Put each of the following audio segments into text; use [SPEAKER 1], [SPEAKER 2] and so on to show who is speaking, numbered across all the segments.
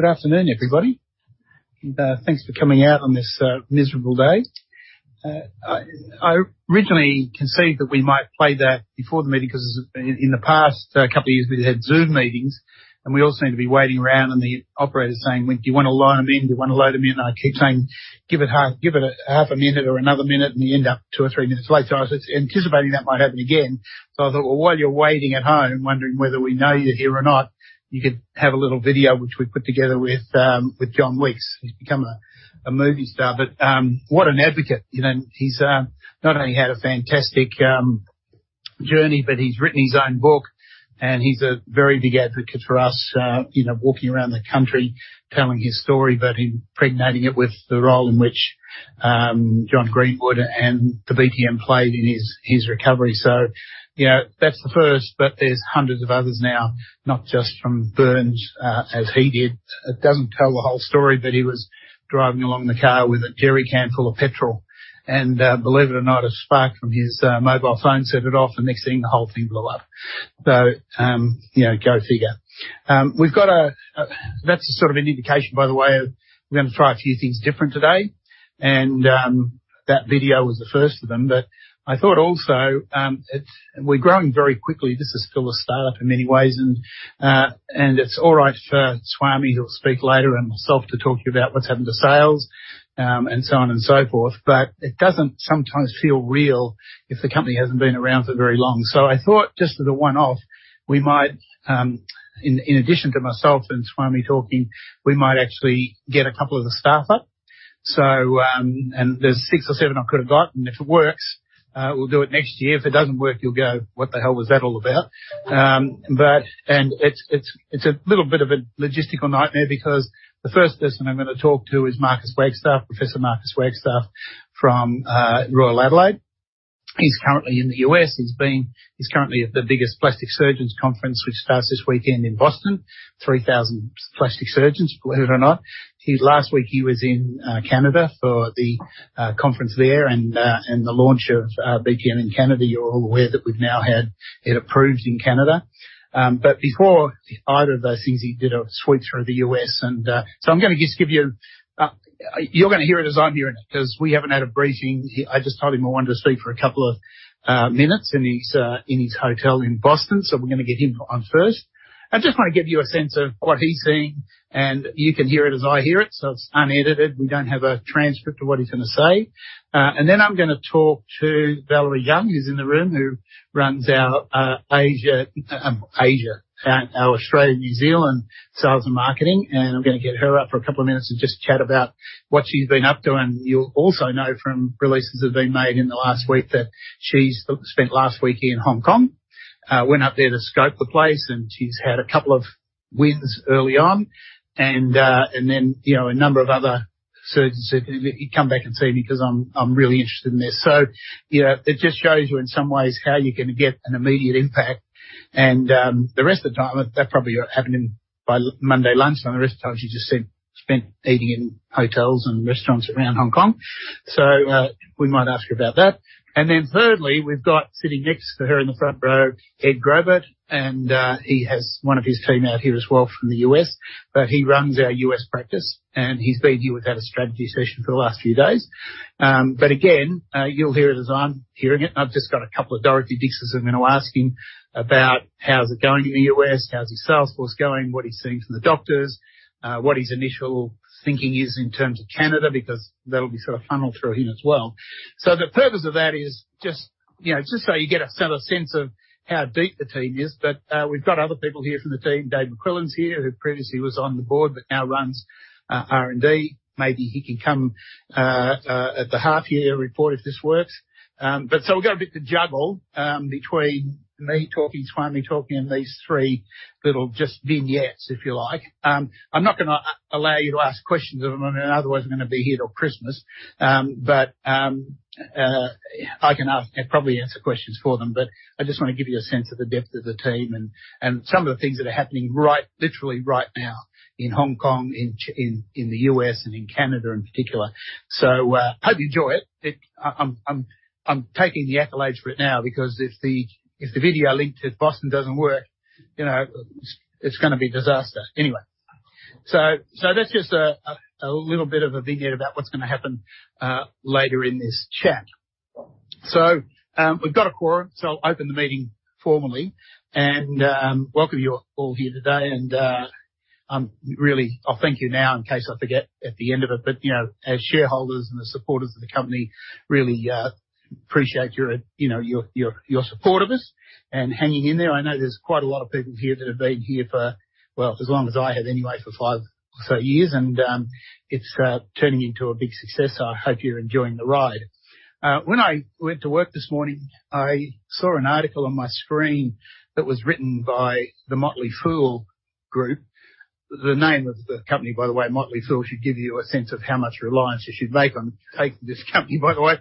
[SPEAKER 1] Good afternoon, everybody. Thanks for coming out on this miserable day. I originally conceived that we might play that before the meeting 'cause in the past couple of years, we've had Zoom meetings, and we all seem to be waiting around, and the operator's saying, "Do you wanna load 'em in? Do you wanna load 'em in?" I keep saying, "Give it half a minute or another minute," and you end up two or three minutes late. I was anticipating that might happen again. I thought, well, while you're waiting at home, wondering whether we know you're here or not, you could have a little video, which we put together with John Wick. He's become a movie star, but what an advocate. You know, he's not only had a fantastic journey, but he's written his own book, and he's a very big advocate for us, you know, walking around the country, telling his story, but impregnating it with the role in which John Greenwood and the BTM played in his recovery. You know, that's the first, but there's hundreds of others now, not just from burns, as he did. It doesn't tell the whole story, but he was driving along in the car with a jerry can full of gasoline. Believe it or not, a spark from his mobile phone set it off, and next thing, the whole thing blew up. You know, go figure. We've got a. That's a sort of an indication, by the way, of we're gonna try a few things different today, and that video was the first of them. I thought also we're growing very quickly. This is still a startup in many ways and it's all right for Swami, who'll speak later, and myself to talk to you about what's happened to sales and so on and so forth. It doesn't sometimes feel real if the company hasn't been around for very long. I thought, just as a one-off, we might in addition to myself and Swami talking actually get a couple of the staff up. There's six or seven I could have gotten. If it works, we'll do it next year. If it doesn't work, you'll go, "What the hell was that all about?" It's a little bit of a logistical nightmare because the first person I'm gonna talk to is Marcus Wagstaff, Professor Marcus Wagstaff from Royal Adelaide. He's currently in the U.S. He's currently at the biggest plastic surgeons conference, which starts this weekend in Boston. 3,000 plastic surgeons, believe it or not. Last week he was in Canada for the conference there and the launch of BTM in Canada. You're all aware that we've now had it approved in Canada. Before either of those things, he did a sweep through the U.S. and I'm gonna just give you. You're gonna hear it as I'm hearing it, 'cause we haven't had a briefing. I just told him I wanted to speak for a couple of minutes, and he's in his hotel in Boston, so we're gonna get him on first. I just wanna give you a sense of what he's seeing, and you can hear it as I hear it, so it's unedited. We don't have a transcript of what he's gonna say. Then I'm gonna talk to Valerie Young, who's in the room, who runs our Asia, our Australia/New Zealand sales and marketing, and I'm gonna get her up for a couple of minutes and just chat about what she's been up to. You'll also know from releases that have been made in the last week that she's spent last week in Hong Kong. Went up there to scope the place, and she's had a couple of wins early on and then, you know, a number of other surgeons said, "You come back and see me 'cause I'm really interested in this." You know, it just shows you in some ways how you can get an immediate impact and, the rest of the time, that probably happened in by Monday lunchtime, the rest of the time she just spent eating in hotels and restaurants around Hong Kong. We might ask her about that. Thirdly, we've got sitting next to her in the front row, Ed Graubart, and, he has one of his team out here as well from the U.S., but he runs our U.S. practice, and he's been here. We've had a strategy session for the last few days. Again, you'll hear it as I'm hearing it, and I've just got a couple of direct questions I'm gonna ask him about how's it going in the U.S., how's his sales force going, what he's seeing from the doctors, what his initial thinking is in terms of Canada, because that'll be sort of funneled through him as well. The purpose of that is just, you know, just so you get a sort of sense of how deep the team is. We've got other people here from the team. Dave McQuillan is here, who previously was on the board but now runs R&D. Maybe he can come at the half-year report if this works. We've got a bit to juggle between me talking, Swami talking, and these three little just vignettes, if you like. I'm not gonna allow you to ask questions of them, otherwise I'm gonna be here till Christmas. I can probably answer questions for them, but I just wanna give you a sense of the depth of the team and some of the things that are happening right, literally right now in Hong Kong, in the U.S., and in Canada in particular. Hope you enjoy it. I'm taking the accolades for it now because if the video link to Boston doesn't work, you know, it's gonna be disaster. Anyway. That's just a little bit of a vignette about what's gonna happen later in this chat. We've got a quorum, so I'll open the meeting formally and welcome you all here today and I'll thank you now in case I forget at the end of it, but you know, as shareholders and the supporters of the company, really appreciate your, you know, support of us and hanging in there. I know there's quite a lot of people here that have been here for, well, as long as I have anyway, for five or so years, and it's turning into a big success, so I hope you're enjoying the ride. When I went to work this morning, I saw an article on my screen that was written by The Motley Fool. The name of the company, by the way, The Motley Fool, should give you a sense of how much reliance you should make on taking this company, by the way.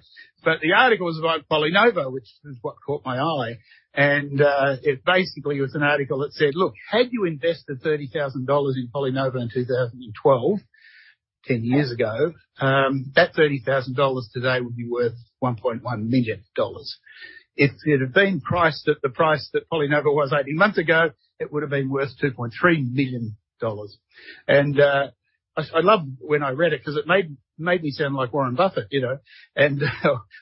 [SPEAKER 1] The article was about PolyNovo, which is what caught my eye, and it basically was an article that said, "Look, had you invested 30,000 dollars in PolyNovo in 2012." 10 years ago, that 30,000 dollars today would be worth 1.1 million dollars. If it had been priced at the price that PolyNovo was 18 months ago, it would have been worth 2.3 million dollars. I love when I read it because it made me sound like Warren Buffett, you know, and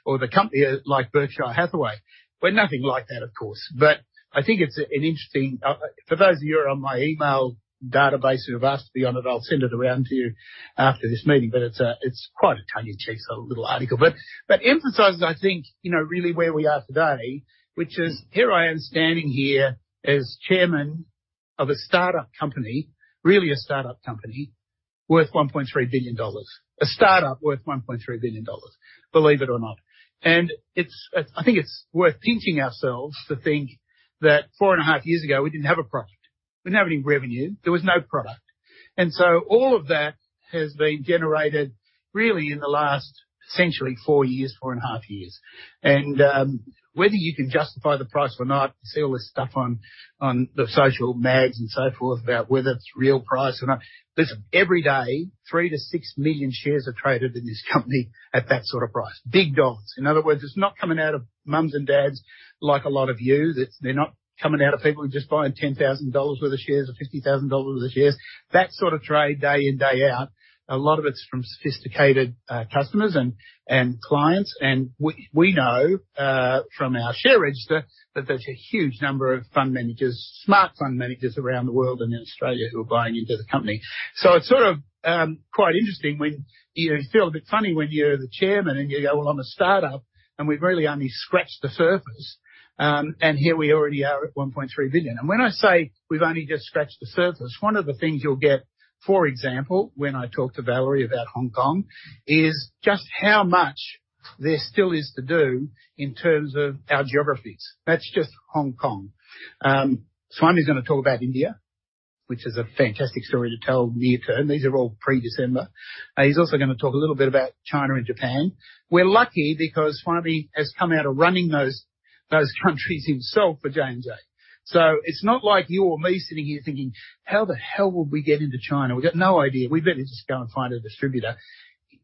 [SPEAKER 1] or the company like Berkshire Hathaway. We're nothing like that, of course, but I think it's an interesting. For those of you who are on my email database who have asked to be on it, I'll send it around to you after this meeting. It's quite a tongue-in-cheek little article. It emphasizes, I think, you know, really where we are today, which is here I am standing here as chairman of a startup company, really a startup company worth 1.3 billion dollars. A startup worth 1.3 billion dollars, believe it or not. It's worth pinching ourselves to think that four and a half years ago, we didn't have a product. We didn't have any revenue. There was no product. All of that has been generated really in the last essentially four years, four and a half years. Whether you can justify the price or not, see all this stuff on the social media and so forth about whether it's real price or not. Listen, every day, 3-6 million shares are traded in this company at that sort of price. Big dogs. In other words, it's not coming out of moms and dads like a lot of you. They're not coming out of people who are just buying 10,000 dollars worth of shares or 50,000 dollars worth of shares. That sort of trade day in, day out, a lot of it's from sophisticated customers and clients. We know from our share register that there's a huge number of fund managers, smart fund managers around the world and in Australia who are buying into the company. It's sort of quite interesting when you feel a bit funny when you're the chairman and you go, "Well, I'm a startup," and we've really only scratched the surface. Here we already are at 1.3 billion. When I say we've only just scratched the surface, one of the things you'll get, for example, when I talk to Valerie about Hong Kong, is just how much there still is to do in terms of our geographies. That's just Hong Kong. Swami's gonna talk about India, which is a fantastic story to tell near-term. These are all pre-December. He's also gonna talk a little bit about China and Japan. We're lucky because Swami has come out of running those countries himself for J&J. It's not like you or me sitting here thinking, "How the hell would we get into China? We got no idea. We better just go and find a distributor.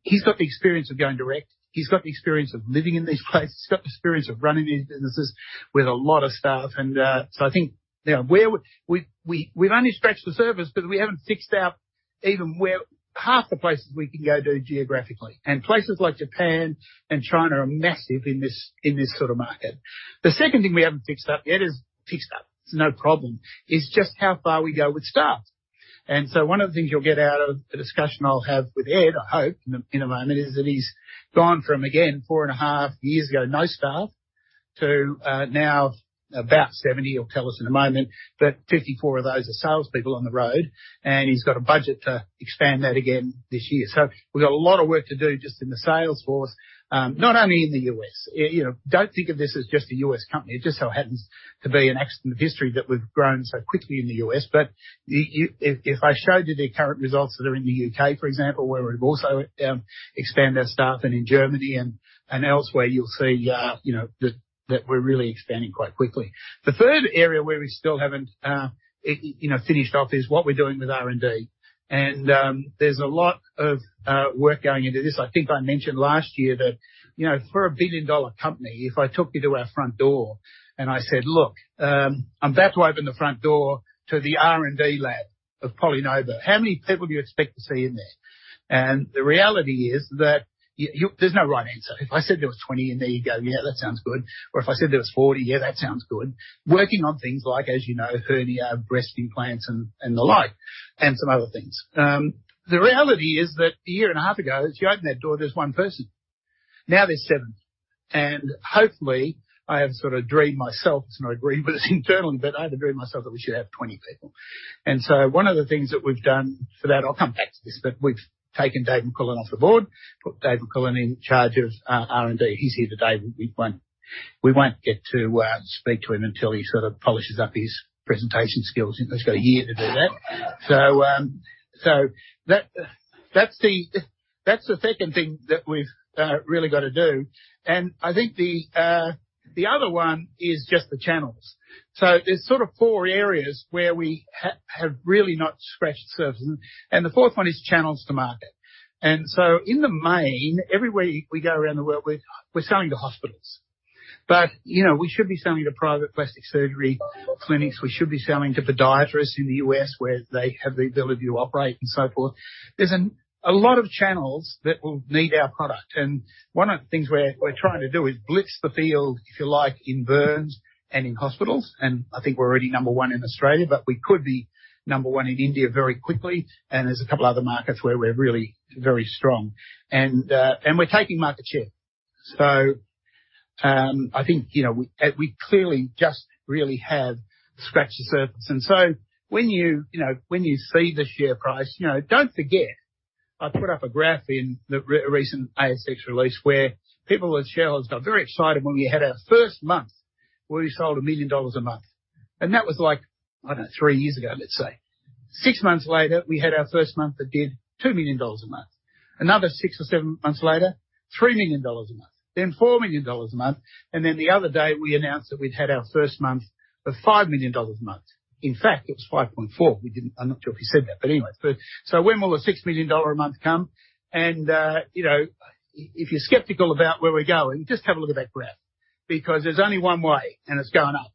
[SPEAKER 1] He's got the experience of going direct. He's got the experience of living in these places. He's got the experience of running these businesses with a lot of staff. I think, you know, where we've only scratched the surface, but we haven't figured out even where half the places we can go to geographically. Places like Japan and China are massive in this sort of market. The second thing we haven't figured out yet is. Figured out, it's no problem, is just how far we go with staff. One of the things you'll get out of the discussion I'll have with Ed, I hope in a moment, is that he's gone from, again, 4.5 years ago, no staff, to now about 70, he'll tell us in a moment, but 54 of those are salespeople on the road, and he's got a budget to expand that again this year. We've got a lot of work to do just in the sales force, not only in the U.S. You know, don't think of this as just a U.S. company. It just so happens to be an accident of history that we've grown so quickly in the U.S. If I showed you the current results that are in the U.K., for example, where we've also expanded our staff and in Germany and elsewhere, you'll see, you know, that we're really expanding quite quickly. The third area where we still haven't, you know, finished off is what we're doing with R&D. There's a lot of work going into this. I think I mentioned last year that, you know, for a billion-dollar company, if I took you to our front door and I said, "Look, I'm about to open the front door to the R&D lab of PolyNovo, how many people do you expect to see in there?" The reality is that there's no right answer. If I said there was 20 in there, you'd go, "Yeah, that sounds good." If I said there was 40, "Yeah, that sounds good." Working on things like, as you know, hernia, breast implants, and the like, and some other things. The reality is that a year and a half ago, if you opened that door, there's one person. Now there's seven. Hopefully, I have sort of dreamed myself, it's not a dream, but it's internal, but I have to dream myself that we should have 20 people. One of the things that we've done for that, I'll come back to this, but we've taken David McQuillan off the board, put David McQuillan in charge of R&D. He's here today. We won't get to speak to him until he sort of polishes up his presentation skills. He's got a year to do that. That's the second thing that we've really got to do. I think the other one is just the channels. There's sort of four areas where we have really not scratched the surface, and the fourth one is channels to market. In the main, everywhere we go around the world, we're selling to hospitals. You know, we should be selling to private plastic surgery clinics. We should be selling to podiatrists in the U.S. where they have the ability to operate and so forth. There's a lot of channels that will need our product, and one of the things we're trying to do is blitz the field, if you like, in burns and in hospitals. I think we're already number one in Australia, but we could be number one in India very quickly. There's a couple of other markets where we're really very strong. We're taking market share. I think, you know, we clearly just really have scratched the surface. When you know, when you see the share price, you know, don't forget, I put up a graph in the recent ASX release where people with shares got very excited when we had our first month where we sold 1 million dollars a month. That was like, I don't know, three years ago, let's say. Six months later, we had our first month that did 2 million dollars a month. Another six or seven months later. 3 million dollars a month, then 4 million dollars a month, and then the other day, we announced that we'd had our first month of 5 million dollars a month. In fact, it was 5.4 million. I'm not sure if you said that, but anyways. When will the 6 million dollar a month come? You know, if you're skeptical about where we're going, just have a look at that graph, because there's only one way, and it's going up.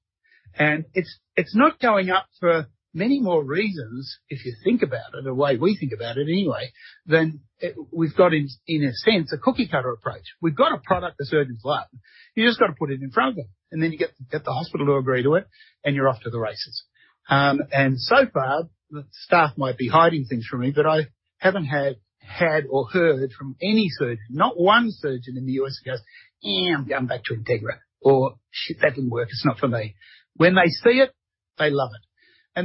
[SPEAKER 1] It's not going up for many more reasons if you think about it, the way we think about it anyway. Then we've got, in a sense, a cookie-cutter approach. We've got a product that surgeons like. You just got to put it in front of them, and then you get the hospital to agree to it, and you're off to the races. Far, the staff might be hiding things from me, but I haven't had or heard from any surgeon, not one surgeon in the U.S. who goes, "Eh, I'm going back to Integra," or, "Shit, that didn't work. It's not for me." When they see it, they love it.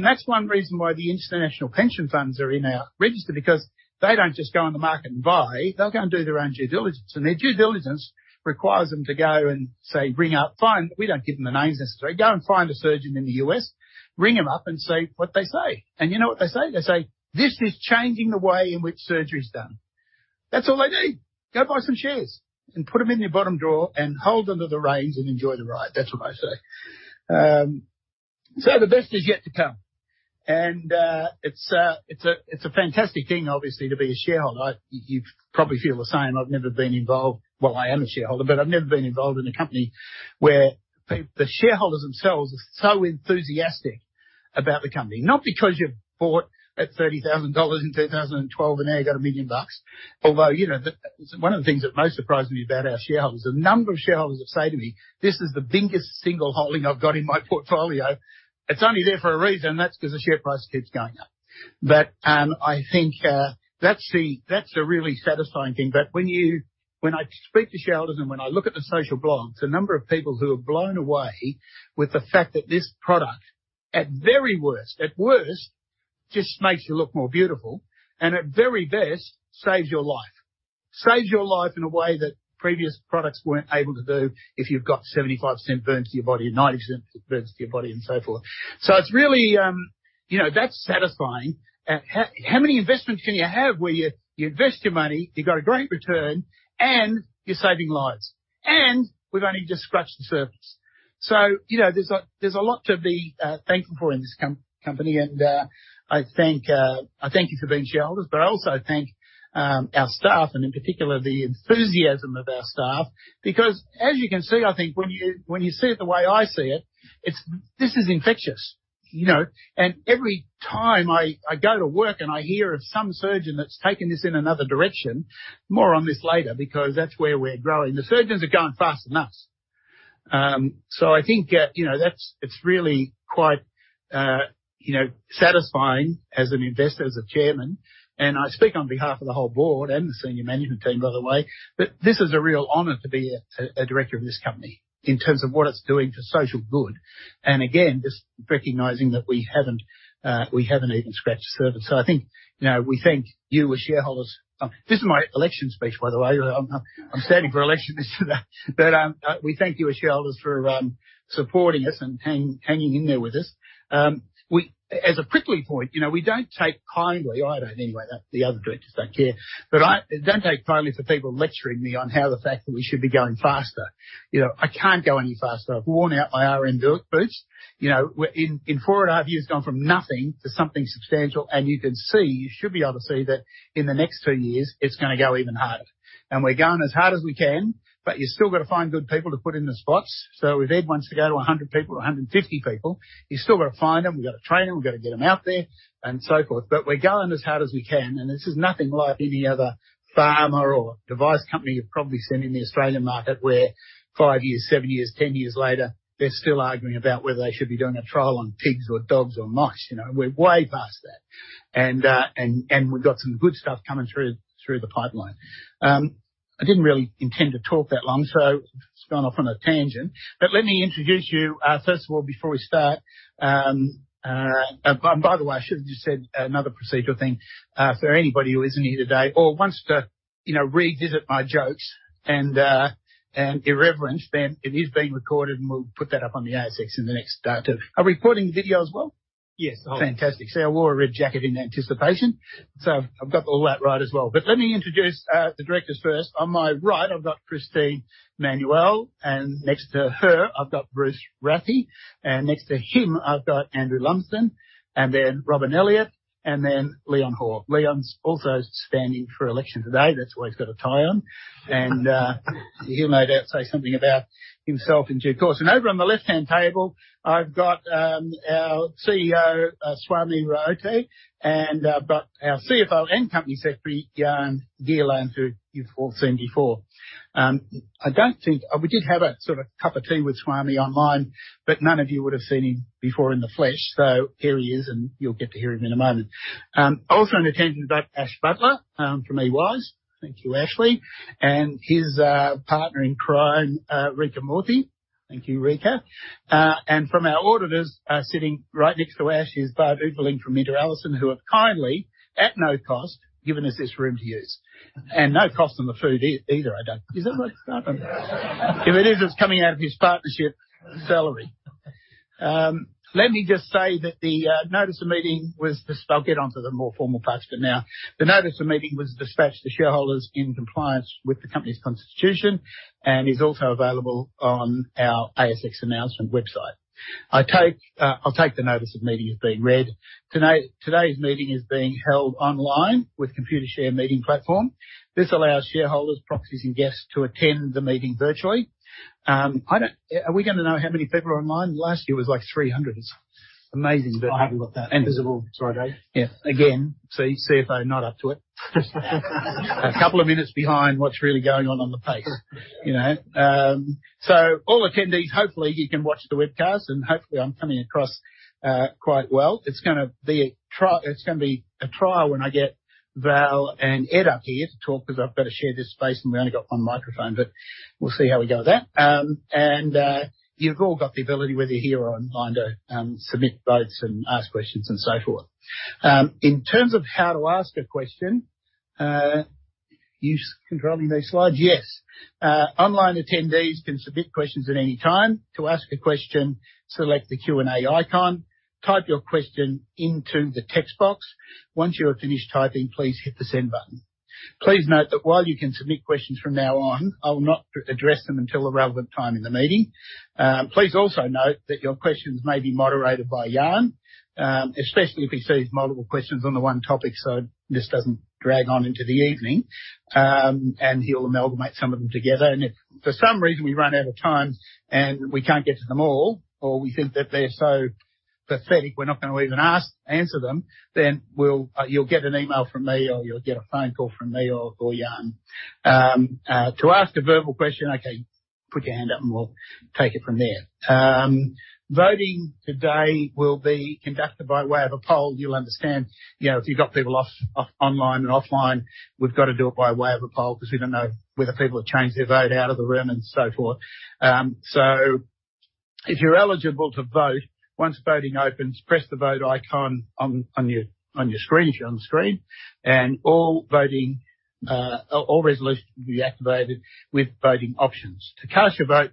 [SPEAKER 1] That's one reason why the international pension funds are in our register because they don't just go on the market and buy. They'll go and do their own due diligence, and their due diligence requires them to go and say, bring up, find. We don't give them the names necessarily. Go and find a surgeon in the U.S., ring them up and see what they say. You know what they say? They say, "This is changing the way in which surgery is done." That's all they need. Go buy some shares and put them in your bottom drawer and hold them to the raise and enjoy the ride. That's what they say. The best is yet to come. It's a fantastic thing, obviously, to be a shareholder. You probably feel the same. I've never been involved. Well, I am a shareholder, but I've never been involved in a company where the shareholders themselves are so enthusiastic about the company, not because you bought at 30,000 dollars in 2012, and now you got 1 million bucks. Although, you know, that was one of the things that most surprised me about our shareholders, the number of shareholders that say to me, "This is the biggest single holding I've got in my portfolio." It's only there for a reason, that's 'cause the share price keeps going up. But I think that's a really satisfying thing. But when I speak to shareholders and when I look at the social blogs, the number of people who are blown away with the fact that this product, at worst, just makes you look more beautiful, and at very best, saves your life. Saves your life in a way that previous products weren't able to do if you've got 75% burns to your body and 90% burns to your body and so forth. It's really, you know, that's satisfying. How many investments can you have where you invest your money, you got a great return, and you're saving lives? We've only just scratched the surface. You know, there's a lot to be thankful for in this company. I thank you for being shareholders, but I also thank our staff and in particular, the enthusiasm of our staff. Because as you can see, I think when you see it the way I see it, this is infectious, you know. Every time I go to work and I hear of some surgeon that's taken this in another direction, more on this later, because that's where we're growing. The surgeons are going faster than us. I think, you know, that's, it's really quite, you know, satisfying as an investor, as a chairman, and I speak on behalf of the whole board and the senior management team, by the way, that this is a real honor to be a director of this company in terms of what it's doing for social good. Again, just recognizing that we haven't even scratched the surface. I think, you know, we thank you as shareholders. This is my election speech, by the way. I'm standing for election today. We thank you as shareholders for supporting us and hanging in there with us. As a prickly point, you know, we don't take kindly, I don't anyway, the other directors don't care, but I don't take kindly to people lecturing me on how the fact that we should be going faster. You know, I can't go any faster. I've worn out my R.M. Williams boots. You know, we're in four and a half years gone from nothing to something substantial, and you can see, you should be able to see that in the next two years, it's gonna go even harder. We're going as hard as we can, but you still got to find good people to put in the spots. If Ed wants to go to 100 people, 150 people, you still got to find them, we've got to train them, we've got to get them out there, and so forth. We're going as hard as we can, and this is nothing like any other pharma or device company you've probably seen in the Australian market, where five years, seven years, 10 years later, they're still arguing about whether they should be doing a trial on pigs or dogs or mice. You know, we're way past that. We've got some good stuff coming through the pipeline. I didn't really intend to talk that long, so just gone off on a tangent. Let me introduce you first of all, before we start, by the way, I should have just said another procedural thing. For anybody who isn't here today or wants to, you know, revisit my jokes and irreverence, then it is being recorded, and we'll put that up on the ASX in the next day or two. Are we recording video as well?
[SPEAKER 2] Yes.
[SPEAKER 1] Fantastic. See, I wore a red jacket in anticipation. I've got all that right as well. Let me introduce the directors first. On my right, I've got Christine Emmanuel-Donnelly, and next to her, I've got Bruce Rathie, and next to him, I've got Andrew Lumsden, and then Robyn Elliott, and then Leon Hoare. Leon's also standing for election today. That's why he's got a tie on. He'll no doubt say something about himself in due course. Over on the left-hand table, I've got our CEO, Swami Raote, and I've got our CFO and company secretary, Jan-Marcel Gielen, who you've all seen before. We did have a sort of cup of tea with Swami online, but none of you would have seen him before in the flesh. Here he is, and you'll get to hear him in a moment. Also in attendance we've got Ash Butler from E&Y. Thank you, Ashley. And his partner in crime, Rikin Mody. Thank you, Rikin. And from our auditors, sitting right next to Ash is Barbara Ewing from MinterEllison, who have kindly, at no cost, given us this room to use. And no cost on the food either. Is that right? I don't know. If it is, it's coming out of his partnership salary. Let me just say that the notice of meeting. I'll get onto the more formal parts for now. The notice of meeting was dispatched to shareholders in compliance with the company's constitution, and is also available on our ASX announcement website. I'll take the notice of meeting as being read. Today's meeting is being held online with Computershare meeting platform. This allows shareholders, proxies, and guests to attend the meeting virtually. Are we gonna know how many people are online? Last year was, like, 300. It's amazing.
[SPEAKER 2] I haven't got that visible. Sorry, Dave.
[SPEAKER 1] Yeah. Again, see, CFO not up to it. A couple of minutes behind what's really going on on the pace, you know. All attendees, hopefully you can watch the webcast, and hopefully I'm coming across quite well. It's gonna be a trial when I get Val and Ed up here to talk because I've got to share this space, and we only got one microphone. We'll see how we go with that. You've all got the ability, whether you're here or online, to submit votes and ask questions and so forth. In terms of how to ask a question, you controlling these slides? Yes. Online attendees can submit questions at any time. To ask a question, select the Q&A icon, type your question into the text box. Once you have finished typing, please hit the send button. Please note that while you can submit questions from now on, I will not address them until the relevant time in the meeting. Please also note that your questions may be moderated by Jan, especially if he sees multiple questions on the one topic, so this doesn't drag on into the evening. He'll amalgamate some of them together. If for some reason we run out of time and we can't get to them all, or we think that they're so pathetic we're not gonna even answer them, then we'll, you'll get an email from me, or you'll get a phone call from me or Jan. To ask a verbal question, okay, put your hand up, and we'll take it from there. Voting today will be conducted by way of a poll. You'll understand, you know, if you've got people online and offline, we've got to do it by way of a poll because we don't know whether people have changed their vote out of the room and so forth. If you're eligible to vote, once voting opens, press the Vote icon on your screen, if you're on the screen, and all resolutions will be activated with voting options. To cast your vote,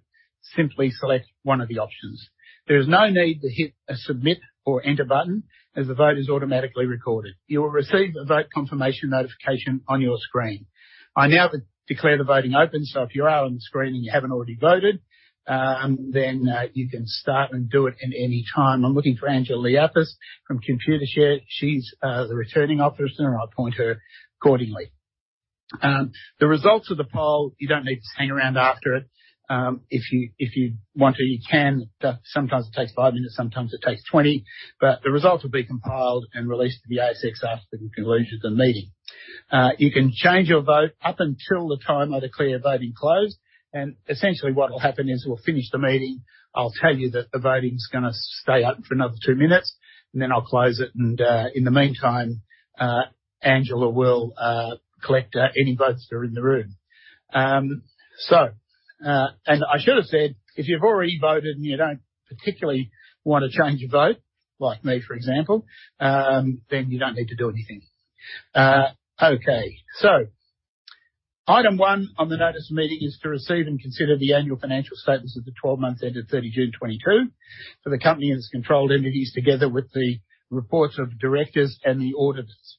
[SPEAKER 1] simply select one of the options. There is no need to hit a Submit or Enter button as the vote is automatically recorded. You will receive a vote confirmation notification on your screen. I now declare the voting open, so if you are on the screen and you haven't already voted, then you can start and do it at any time. I'm looking for Angela Liapis from Computershare. She's the returning officer, and I'll point her accordingly. The results of the poll, you don't need to hang around after it. If you want to, you can. Sometimes it takes 5 minutes, sometimes it takes 20. The results will be compiled and released to the ASX after the conclusion of the meeting. You can change your vote up until the time I declare voting closed. Essentially what will happen is we'll finish the meeting, I'll tell you that the voting's gonna stay open for another two minutes, and then I'll close it. In the meantime, Angela will collect any votes that are in the room. I should have said, if you've already voted and you don't particularly want to change your vote, like me for example, then you don't need to do anything. Okay. Item one on the notice of meeting is to receive and consider the annual financial statements of the 12-month end of 30 June 2022 for the company and its controlled entities, together with the reports of the directors and the auditors.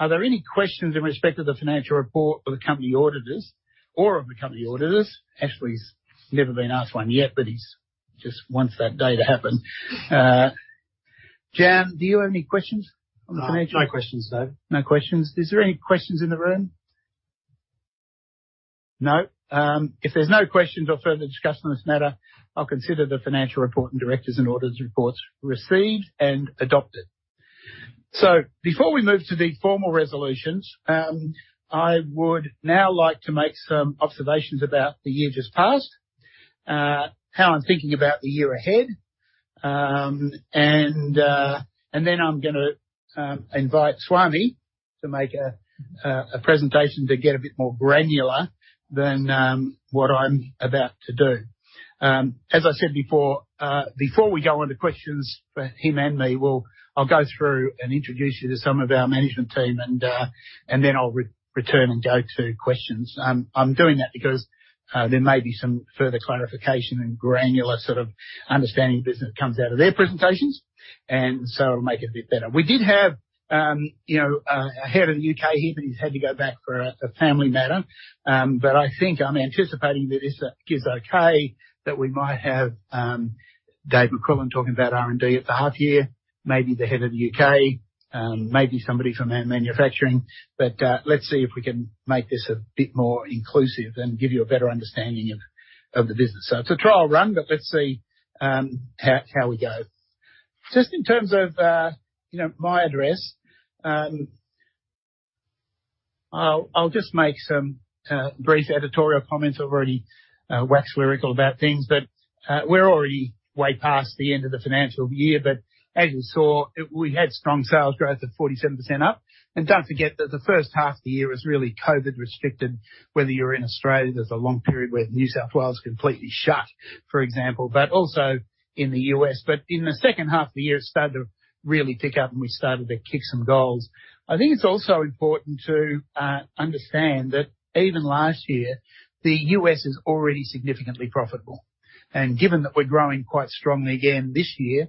[SPEAKER 1] Are there any questions in respect of the financial report or the company auditors? Ashley's never been asked one yet, but he's just wants that day to happen. Jan, do you have any questions on the financial
[SPEAKER 2] No. No questions, Dave.
[SPEAKER 1] No questions. Is there any questions in the room? No. If there's no questions or further discussion on this matter, I'll consider the financial report and directors and auditors' reports received and adopted. Before we move to the formal resolutions, I would now like to make some observations about the year just past, how I'm thinking about the year ahead, and then I'm gonna invite Swami to make a presentation to get a bit more granular than what I'm about to do. As I said before we go on to questions for him and me, I'll go through and introduce you to some of our management team, and then I'll return and go to questions. I'm doing that because there may be some further clarification and granular sort of understanding of the business that comes out of their presentations, and so it'll make it a bit better. We did have, you know, our head of the U.K. here, but he's had to go back for a family matter. I think I'm anticipating that if it's okay that we might have Dave McQuillan talking about R&D at the half year, maybe the head of the U.K., maybe somebody from our manufacturing. Let's see if we can make this a bit more inclusive and give you a better understanding of the business. It's a trial run, but let's see how we go. Just in terms of, you know, my address, I'll just make some brief editorial comments. I've already waxed lyrical about things, but we're already way past the end of the financial year, but as you saw, we had strong sales growth of 47% up. Don't forget that the first half of the year was really COVID restricted, whether you're in Australia, there's a long period where New South Wales completely shut, for example, but also in the U.S.. In the second half of the year, it started to really pick up, and we started to kick some goals. I think it's also important to understand that even last year, the U.S. is already significantly profitable. Given that we're growing quite strongly again this year,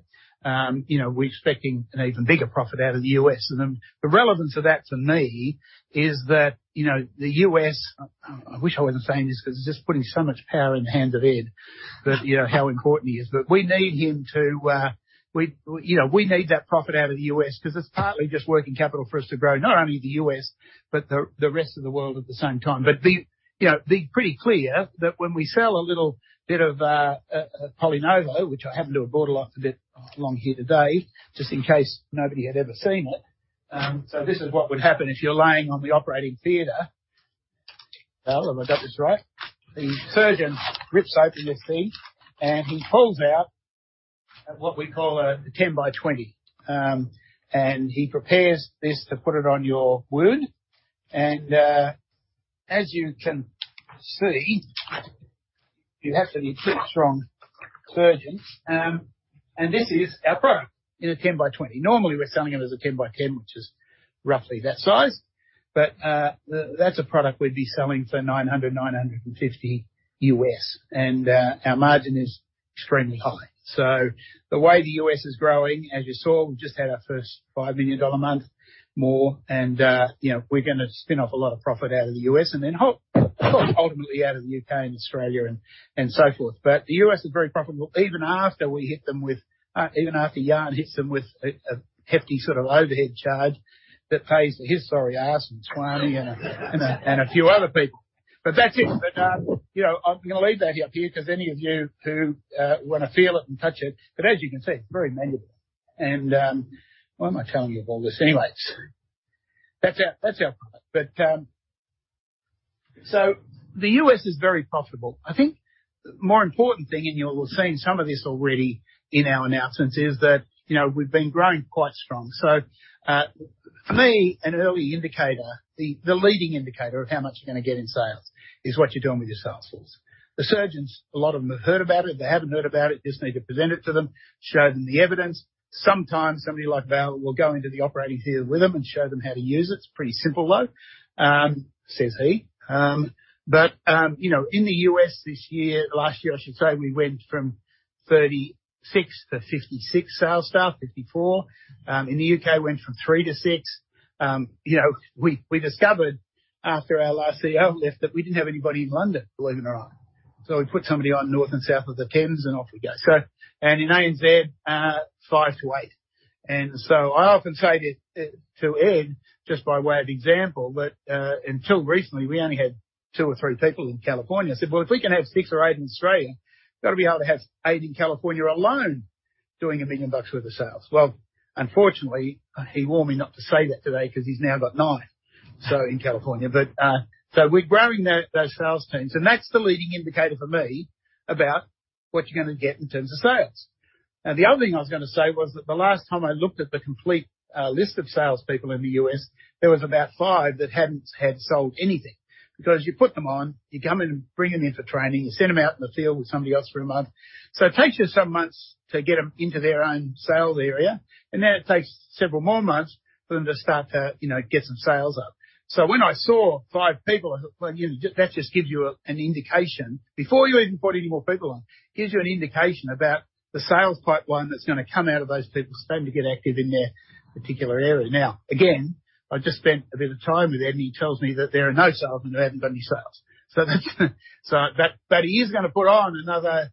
[SPEAKER 1] you know, we're expecting an even bigger profit out of the U.S.. The relevance of that to me is that, you know, the U.S., I wish I wasn't saying this 'cause it's just putting so much power in the hands of Ed, that you know how important he is. We need him to, you know, we need that profit out of the U.S. 'cause it's partly just working capital for us to grow, not only the U.S. but the rest of the world at the same time. It's pretty clear that when we sell a little bit of PolyNovo, which I happen to have brought a lot of it along here today, just in case nobody had ever seen it. This is what would happen if you're laying on the operating theater. Well, have I got this right? The surgeon rips open your feet, and he pulls out what we call a 10-by-20. He prepares this to put it on your wound. As you can see, you have to be pretty strong surgeons. This is our product in a 10-by-20. Normally, we're selling it as a 10-by-10, which is roughly that size. That's a product we'd be selling for $900-$950. Our margin is extremely high. The way the U.S. is growing, as you saw, we just had our first $5 million a month or more, you know, we're gonna spin off a lot of profit out of the U.S. and then ultimately out of the U.K. and Australia and so forth. the U.S. is very profitable, even after Jan hits them with a hefty sort of overhead charge that pays his sorry ass and Swami and a few other people. That's it. You know, I'm gonna leave that up here 'cause any of you who wanna feel it and touch it. As you can see, it's very manageable. Why am I telling you all this anyways? That's our product. the U.S. is very profitable. I think the more important thing, and you will have seen some of this already in our announcements, is that, you know, we've been growing quite strong. For me, an early indicator, the leading indicator of how much you're gonna get in sales is what you're doing with your sales force. The surgeons, a lot of them have heard about it. If they haven't heard about it, just need to present it to them, show them the evidence. Sometimes somebody like Val will go into the operating theater with them and show them how to use it. It's pretty simple, though, says he. You know, in the U.S. this year, last year, I should say, we went from 36 to 56 sales staff, 54. In the U.K., went from three to six. You know, we discovered after our last CEO left that we didn't have anybody in London, believe it or not. We put somebody on north and south of the Thames, and off we go. In [99-Z], 5-8. I often say to Ed, just by way of example, that until recently, we only had two or three people in California. I said, "Well, if we can have six or eight in Australia, gotta be able to have 8 in California alone doing $1 million worth of sales." Well, unfortunately, he warned me not to say that today 'cause he's now got 9 in California. We're growing those sales teams, and that's the leading indicator for me about what you're gonna get in terms of sales. The other thing I was gonna say was that the last time I looked at the complete list of salespeople in the U.S., there was about five that hadn't sold anything. Because you put them on, you come and bring them in for training, you send them out in the field with somebody else for a month. It takes you some months to get them into their own sales area, and then it takes several more months for them to start to, you know, get some sales up. When I saw five people, well, you know, that just gives you an indication before you even put any more people on, gives you an indication about the sales pipeline that's gonna come out of those people starting to get active in their particular area. Now, again, I just spent a bit of time with Ed, and he tells me that there are no salesmen who haven't got any sales. He is gonna put on another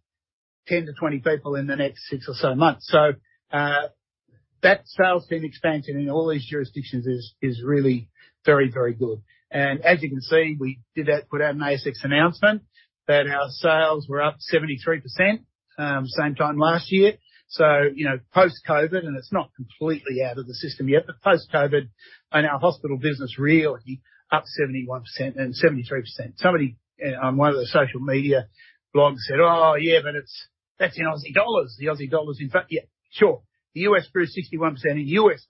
[SPEAKER 1] 10-20 people in the next six or so months. That sales team expansion in all these jurisdictions is really very good. As you can see, we did that with our ASX announcement that our sales were up 73%, same time last year. You know, post-COVID, and it's not completely out of the system yet, but post-COVID and our hospital business really up 71% and 73%. Somebody on one of the social media blogs said, "Oh, yeah, but it's. That's in Aussie dollars. The Aussie dollar's in fact." Yeah, sure. The U.S. grew 61% in U.S.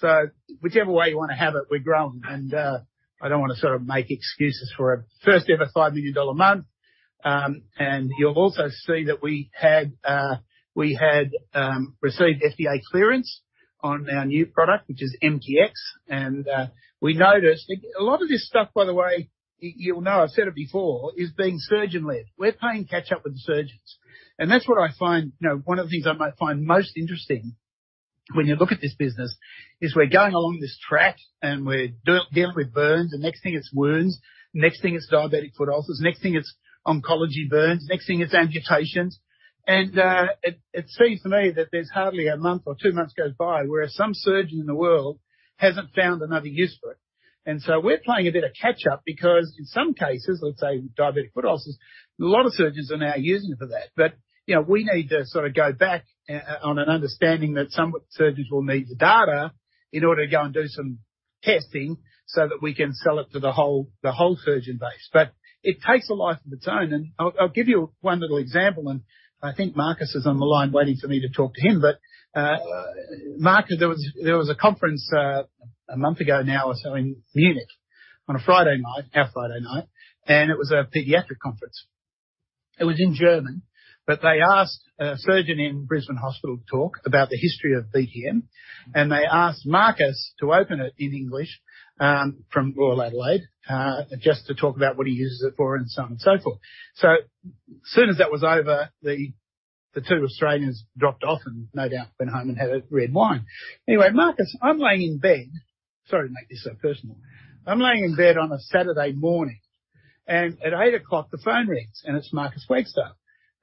[SPEAKER 1] dollars. Whichever way you wanna have it, we've grown. I don't wanna sort of make excuses for a first-ever 5 million dollar month. You'll also see that we had received FDA clearance on our new product, which is MTX. We noticed a lot of this stuff, by the way, you'll know I've said it before, is being surgeon-led. We're playing catch up with the surgeons. That's what I find, you know, one of the things I might find most interesting when you look at this business, is we're going along this track, and we're dealing with burns. The next thing is wounds. Next thing is diabetic foot ulcers. Next thing it's oncology burns. Next thing is amputations. It seems to me that there's hardly a month or two months goes by where some surgeon in the world hasn't found another use for it. We're playing a bit of catch up because in some cases, let's say diabetic foot ulcers, a lot of surgeons are now using it for that. We need to sort of go back on an understanding that some surgeons will need the data in order to go and do some testing so that we can sell it to the whole surgeon base. It takes a life of its own. I'll give you one little example, and I think Marcus is on the line waiting for me to talk to him. Marcus, there was a conference a month ago now or so in Munich on a Friday night, our Friday night, and it was a pediatric conference. It was in German, but they asked a surgeon in Brisbane Hospital to talk about the history of BTM, and they asked Marcus to open it in English, from Royal Adelaide, just to talk about what he uses it for and so on and so forth. As soon as that was over, the two Australians dropped off and no doubt went home and had a red wine. Anyway, Marcus, I'm laying in bed. Sorry to make this so personal. I'm laying in bed on a Saturday morning, and at 8:00 A.M. the phone rings, and it's Marcus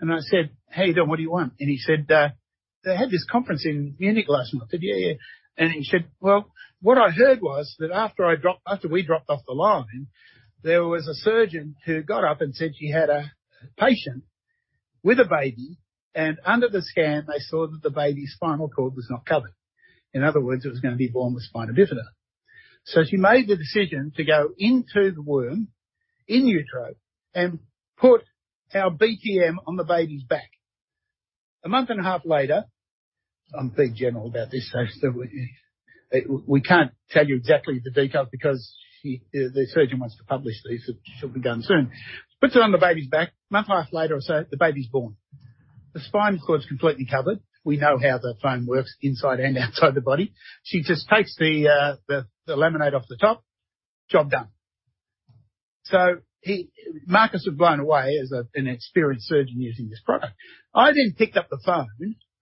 [SPEAKER 1] Wagstaff. I said, "How you doing? What do you want?" He said, "They had this conference in Munich last night." I said, "Yeah, yeah." He said, "Well, what I heard was that after we dropped off the line, there was a surgeon who got up and said she had a patient with a baby, and under the scan, they saw that the baby's spinal cord was not covered. In other words, it was gonna be born with spina bifida. She made the decision to go into the womb, in utero, and put our BTM on the baby's back. A month and a half later. I'm being general about this, so we can't tell you exactly the details because the surgeon wants to publish these, so should be done soon. Puts it on the baby's back. A month and a half later or so, the baby's born. The spinal cord's completely covered. We know how the foam works inside and outside the body. She just takes the laminate off the top. Job done. Marcus was blown away as an experienced surgeon using this product. I then picked up the phone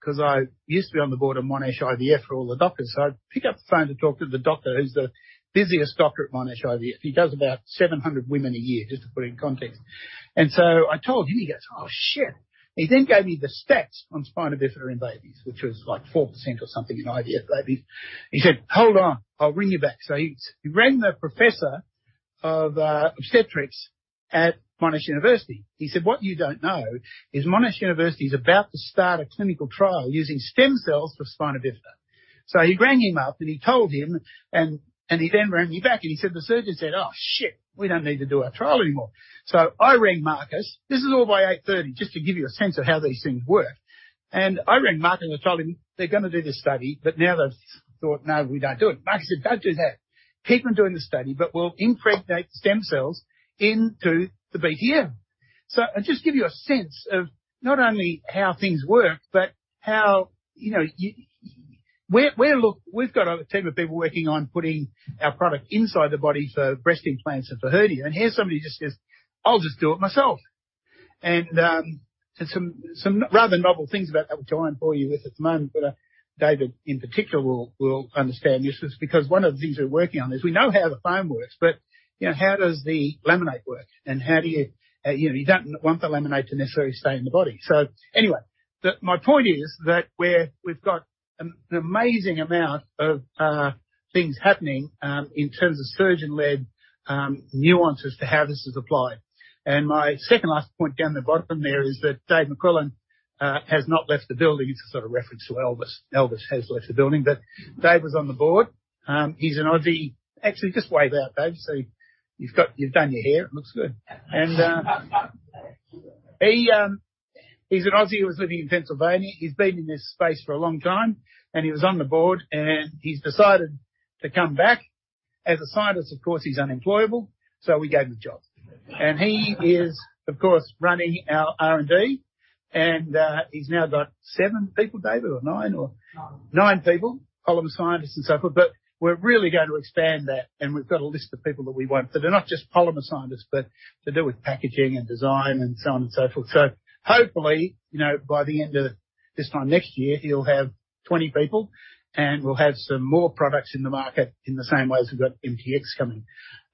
[SPEAKER 1] 'cause I used to be on the board of Monash IVF for all the doctors. I pick up the phone to talk to the doctor, who's the busiest doctor at Monash IVF. He does about 700 women a year just to put it in context. I told him. He goes, "Oh, shit." He then gave me the stats on spina bifida in babies, which was, like, 4% or something in IVF babies. He said, "Hold on, I'll ring you back." He rang the professor of obstetrics at Monash University. He said, "What you don't know is Monash University is about to start a clinical trial using stem cells for spina bifida." He rang him up, and he told him, and he then rang me back, and he said, "The surgeon said, 'Oh, shit, we don't need to do our trial anymore.'" I rang Marcus. This is all by 8:30 A.M., just to give you a sense of how these things work. I rang Marcus and told him, "They're gonna do this study, but now they've thought, 'No, we don't do it.'" Marcus said, "Don't do that. Keep on doing the study, but we'll impregnate stem cells into the BTM." Just to give you a sense of not only how things work, but how, you know, we've got a team of people working on putting our product inside the body for breast implants and for hernia, and here's somebody who just says, "I'll just do it myself." Some rather novel things about that which I won't bore you with at the moment, but David in particular will understand this just because one of the things we're working on is we know how the foam works, but, you know, how does the laminate work? And how do you know, you don't want the laminate to necessarily stay in the body. My point is that we have got an amazing amount of things happening in terms of surgeon-led nuances to how this is applied. My second last point down the bottom there is that Dave McQuillan has not left the building. It's a sort of reference to Elvis. Elvis has left the building. Dave was on the board. He's an Aussie. Actually, just wave out, Dave, so you've got. You've done your hair. It looks good. He's an Aussie who was living in Pennsylvania. He's been in this space for a long time, and he was on the board, and he's decided to come back. As a scientist, of course, he's unemployable, so we gave him a job. He is, of course, running our R&D, and he's now got seven people, David, or nine.
[SPEAKER 3] Nine.
[SPEAKER 1] Nine people, polymer scientists, and so forth. We're really going to expand that, and we've got a list of people that we want that are not just polymer scientists but to do with packaging and design and so on and so forth. Hopefully, you know, by the end of this time next year, he'll have 20 people, and we'll have some more products in the market in the same way as we've got MTX coming.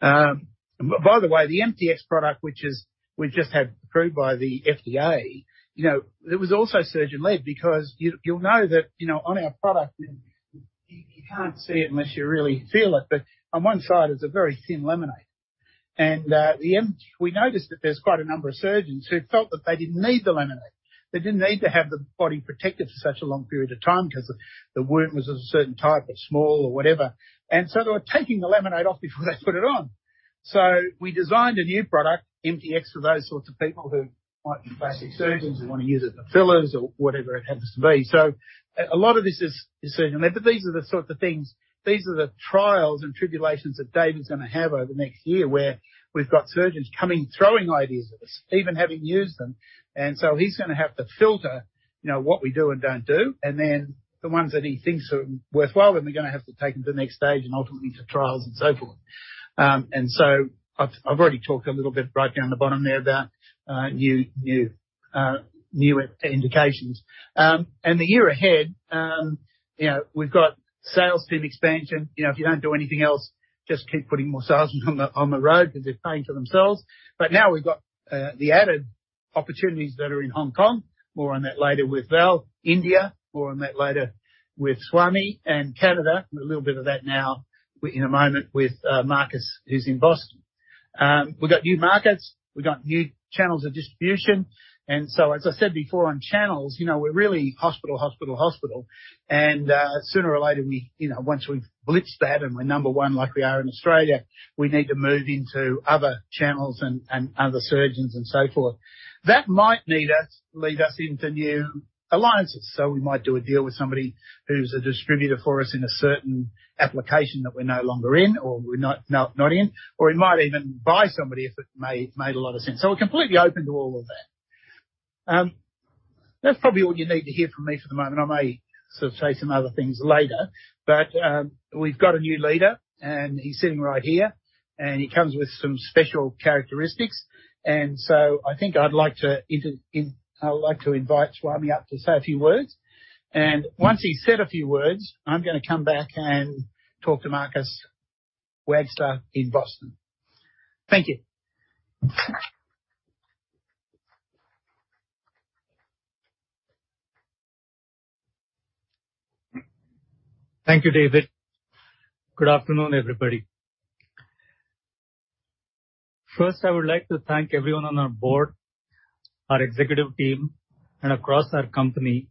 [SPEAKER 1] By the way, the MTX product, we've just had approved by the FDA, you know, it was also surgeon-led because you'll know that, you know, on our product, you can't see it unless you really feel it, but on one side is a very thin laminate. We noticed that there's quite a number of surgeons who felt that they didn't need the laminate. They didn't need to have the body protected for such a long period of time because the wound was of a certain type or small or whatever. They were taking the laminate off before they put it on. We designed a new product, MTX, for those sorts of people who might be plastic surgeons who wanna use it for fillers or whatever it happens to be. A lot of this is surgeon-led, but these are the sort of things, these are the trials and tribulations that Dave is gonna have over the next year, where we've got surgeons coming, throwing ideas at us, even having used them. He's gonna have to filter, you know, what we do and don't do, and then the ones that he thinks are worthwhile, then we're gonna have to take them to the next stage and ultimately to trials and so forth. I've already talked a little bit right down the bottom there about new indications. The year ahead, you know, we've got sales team expansion. You know, if you don't do anything else, just keep putting more sales on the road 'cause they're paying for themselves. Now we've got the added opportunities that are in Hong Kong. More on that later with Val. India, more on that later with Swami, and Canada, with a little bit of that now in a moment with Marcus, who's in Boston. We've got new markets, we've got new channels of distribution. As I said before on channels, you know, we're really hospital, hospital. Sooner or later, you know, once we've blitzed that and we're number one like we are in Australia, we need to move into other channels and other surgeons and so forth. That might lead us into new alliances. We might do a deal with somebody who's a distributor for us in a certain application that we're no longer in or we're not in. Or we might even buy somebody if it made a lot of sense. We're completely open to all of that. That's probably all you need to hear from me for the moment. I may sort of say some other things later, but we've got a new leader, and he's sitting right here, and he comes with some special characteristics. I think I would like to invite Swami up to say a few words. Once he's said a few words, I'm gonna come back and talk to Marcus Wagstaff in Boston. Thank you.
[SPEAKER 4] Thank you, David. Good afternoon, everybody. First, I would like to thank everyone on our board, our executive team, and across our company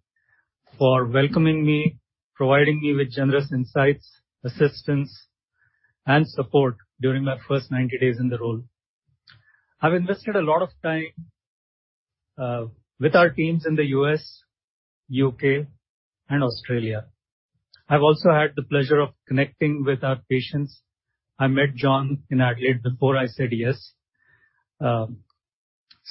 [SPEAKER 4] for welcoming me, providing me with generous insights, assistance, and support during my first 90 days in the role. I've invested a lot of time with our teams in the U.S., U.K., and Australia. I've also had the pleasure of connecting with our patients, I met John in Adelaide before I said yes,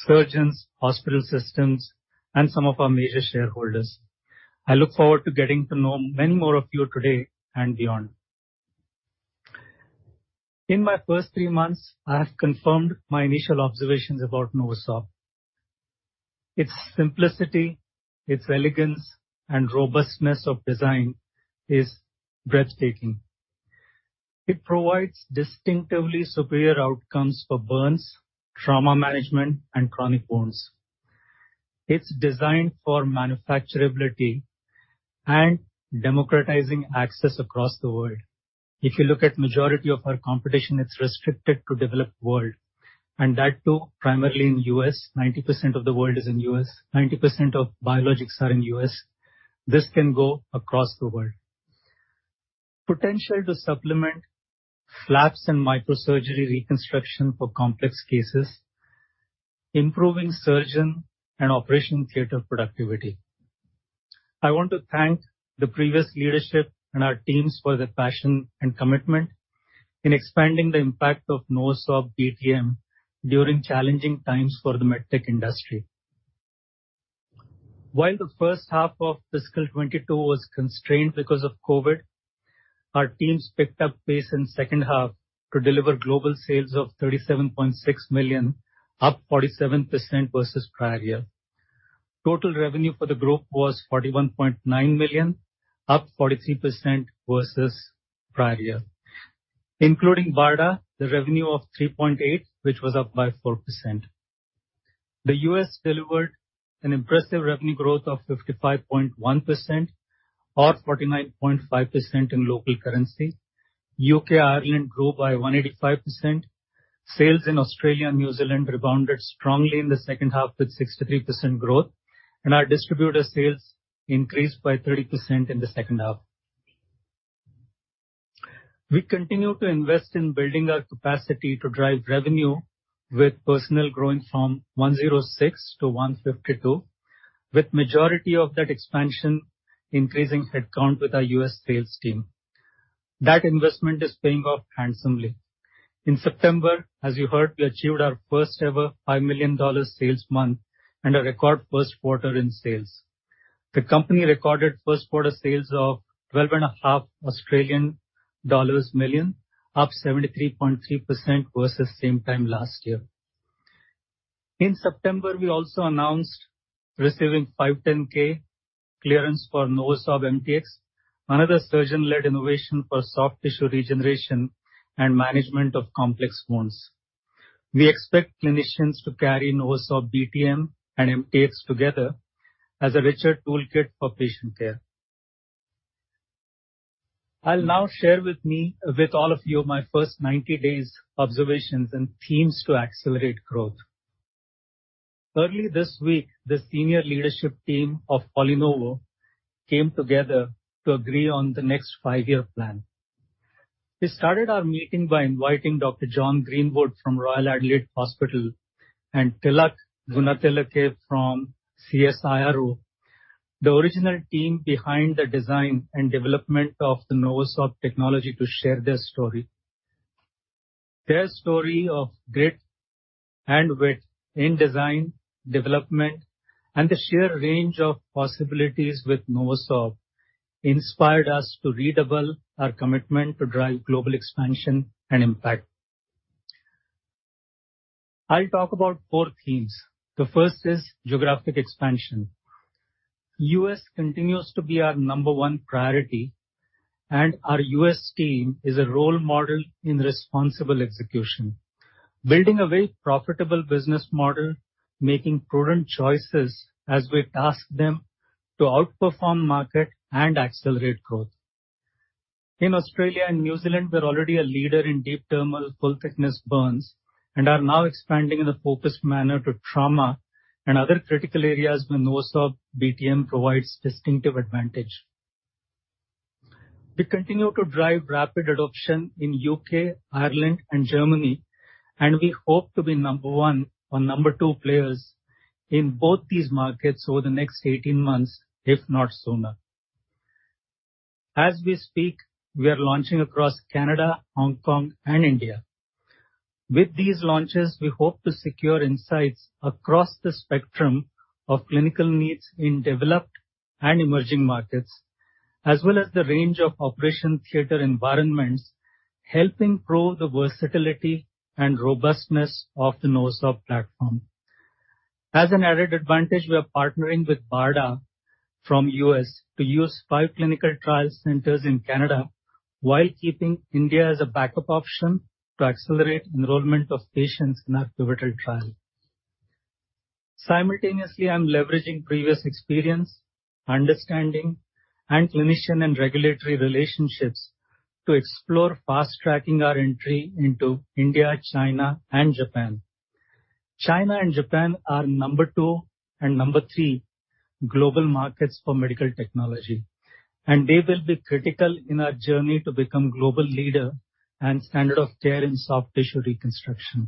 [SPEAKER 4] surgeons, hospital systems, and some of our major shareholders. I look forward to getting to know many more of you today and beyond. In my first three months, I have confirmed my initial observations about NovoSorb. Its simplicity, its elegance, and robustness of design is breathtaking. It provides distinctively superior outcomes for burns, trauma management, and chronic wounds. It's designed for manufacturability and democratizing access across the world. If you look at majority of our competition, it's restricted to developed world, and that too, primarily in U.S.. 90% of the world is in U.S.. 90% of biologics are in U.S.. This can go across the world. Potential to supplement flaps and microsurgery reconstruction for complex cases, improving surgeon and operation theater productivity. I want to thank the previous leadership and our teams for their passion and commitment in expanding the impact of NovoSorb BTM during challenging times for the med tech industry. While the first half of fiscal 2022 was constrained because of COVID, our teams picked up pace in second half to deliver global sales of 37.6 million, up 47% versus prior year. Total revenue for the group was 41.9 million, up 43% versus prior year. Including BARDA, the revenue of 3.8, which was up by 4%. The U.S. delivered an impressive revenue growth of 55.1% or 49.5% in local currency. U.K., Ireland grew by 185%. Sales in Australia and New Zealand rebounded strongly in the second half with 63% growth, and our distributor sales increased by 30% in the second half. We continue to invest in building our capacity to drive revenue with personnel growing from 106 to 152, with majority of that expansion increasing headcount with our U.S. sales team. That investment is paying off handsomely. In September, as you heard, we achieved our first-ever 5 million dollars sales month and a record first quarter in sales. The company recorded first quarter sales of 12 million Australian dollars, up 73.3% versus same time last year. In September, we also announced receiving 510(k) clearance for NovoSorb MTX, another surgeon-led innovation for soft tissue regeneration and management of complex wounds. We expect clinicians to carry NovoSorb BTM and MTX together as a richer toolkit for patient care. I'll now share with all of you my first 90 days observations and themes to accelerate growth. Early this week, the senior leadership team of PolyNovo came together to agree on the next 5-year plan. We started our meeting by inviting Dr. John Greenwood from Royal Adelaide Hospital and Thilak Gunatilake from CSIRO, the original team behind the design and development of the NovoSorb technology, to share their story. Their story of grit and wit in design, development, and the sheer range of possibilities with NovoSorb inspired us to redouble our commitment to drive global expansion and impact. I'll talk about four themes. The first is geographic expansion. U.S. continues to be our number one priority, and our U.S. team is a role model in responsible execution. Building a very profitable business model, making prudent choices as we task them to outperform market and accelerate growth. In Australia and New Zealand, we're already a leader in deep dermal full thickness burns, and are now expanding in a focused manner to trauma and other critical areas where NovoSorb BTM provides distinctive advantage. We continue to drive rapid adoption in U.K., Ireland and Germany, and we hope to be number one or number two players in both these markets over the next eighteen months, if not sooner. As we speak, we are launching across Canada, Hong Kong and India. With these launches, we hope to secure insights across the spectrum of clinical needs in developed and emerging markets, as well as the range of operating theater environments, helping prove the versatility and robustness of the NovoSorb platform. As an added advantage, we are partnering with BARDA from U.S. to use five clinical trial centers in Canada while keeping India as a backup option to accelerate enrollment of patients in our pivotal trial. Simultaneously, I'm leveraging previous experience, understanding, and clinician and regulatory relationships to explore fast-tracking our entry into India, China and Japan. China and Japan are number two and number three global markets for medical technology, and they will be critical in our journey to become global leader and standard of care in soft tissue reconstruction.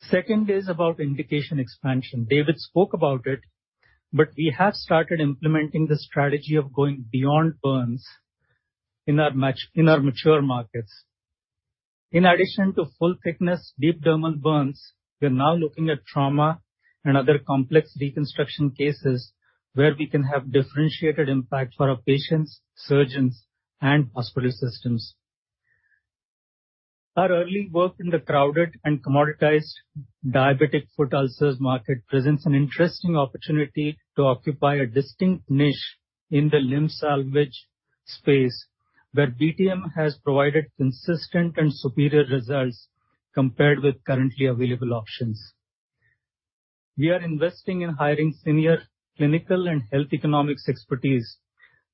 [SPEAKER 4] Second is about indication expansion. David spoke about it, but we have started implementing the strategy of going beyond burns in our mature markets. In addition to full thickness deep dermal burns, we are now looking at trauma and other complex reconstruction cases where we can have differentiated impact for our patients, surgeons, and hospital systems. Our early work in the crowded and commoditized diabetic foot ulcers market presents an interesting opportunity to occupy a distinct niche in the limb salvage space, where BTM has provided consistent and superior results compared with currently available options. We are investing in hiring senior clinical and health economics expertise.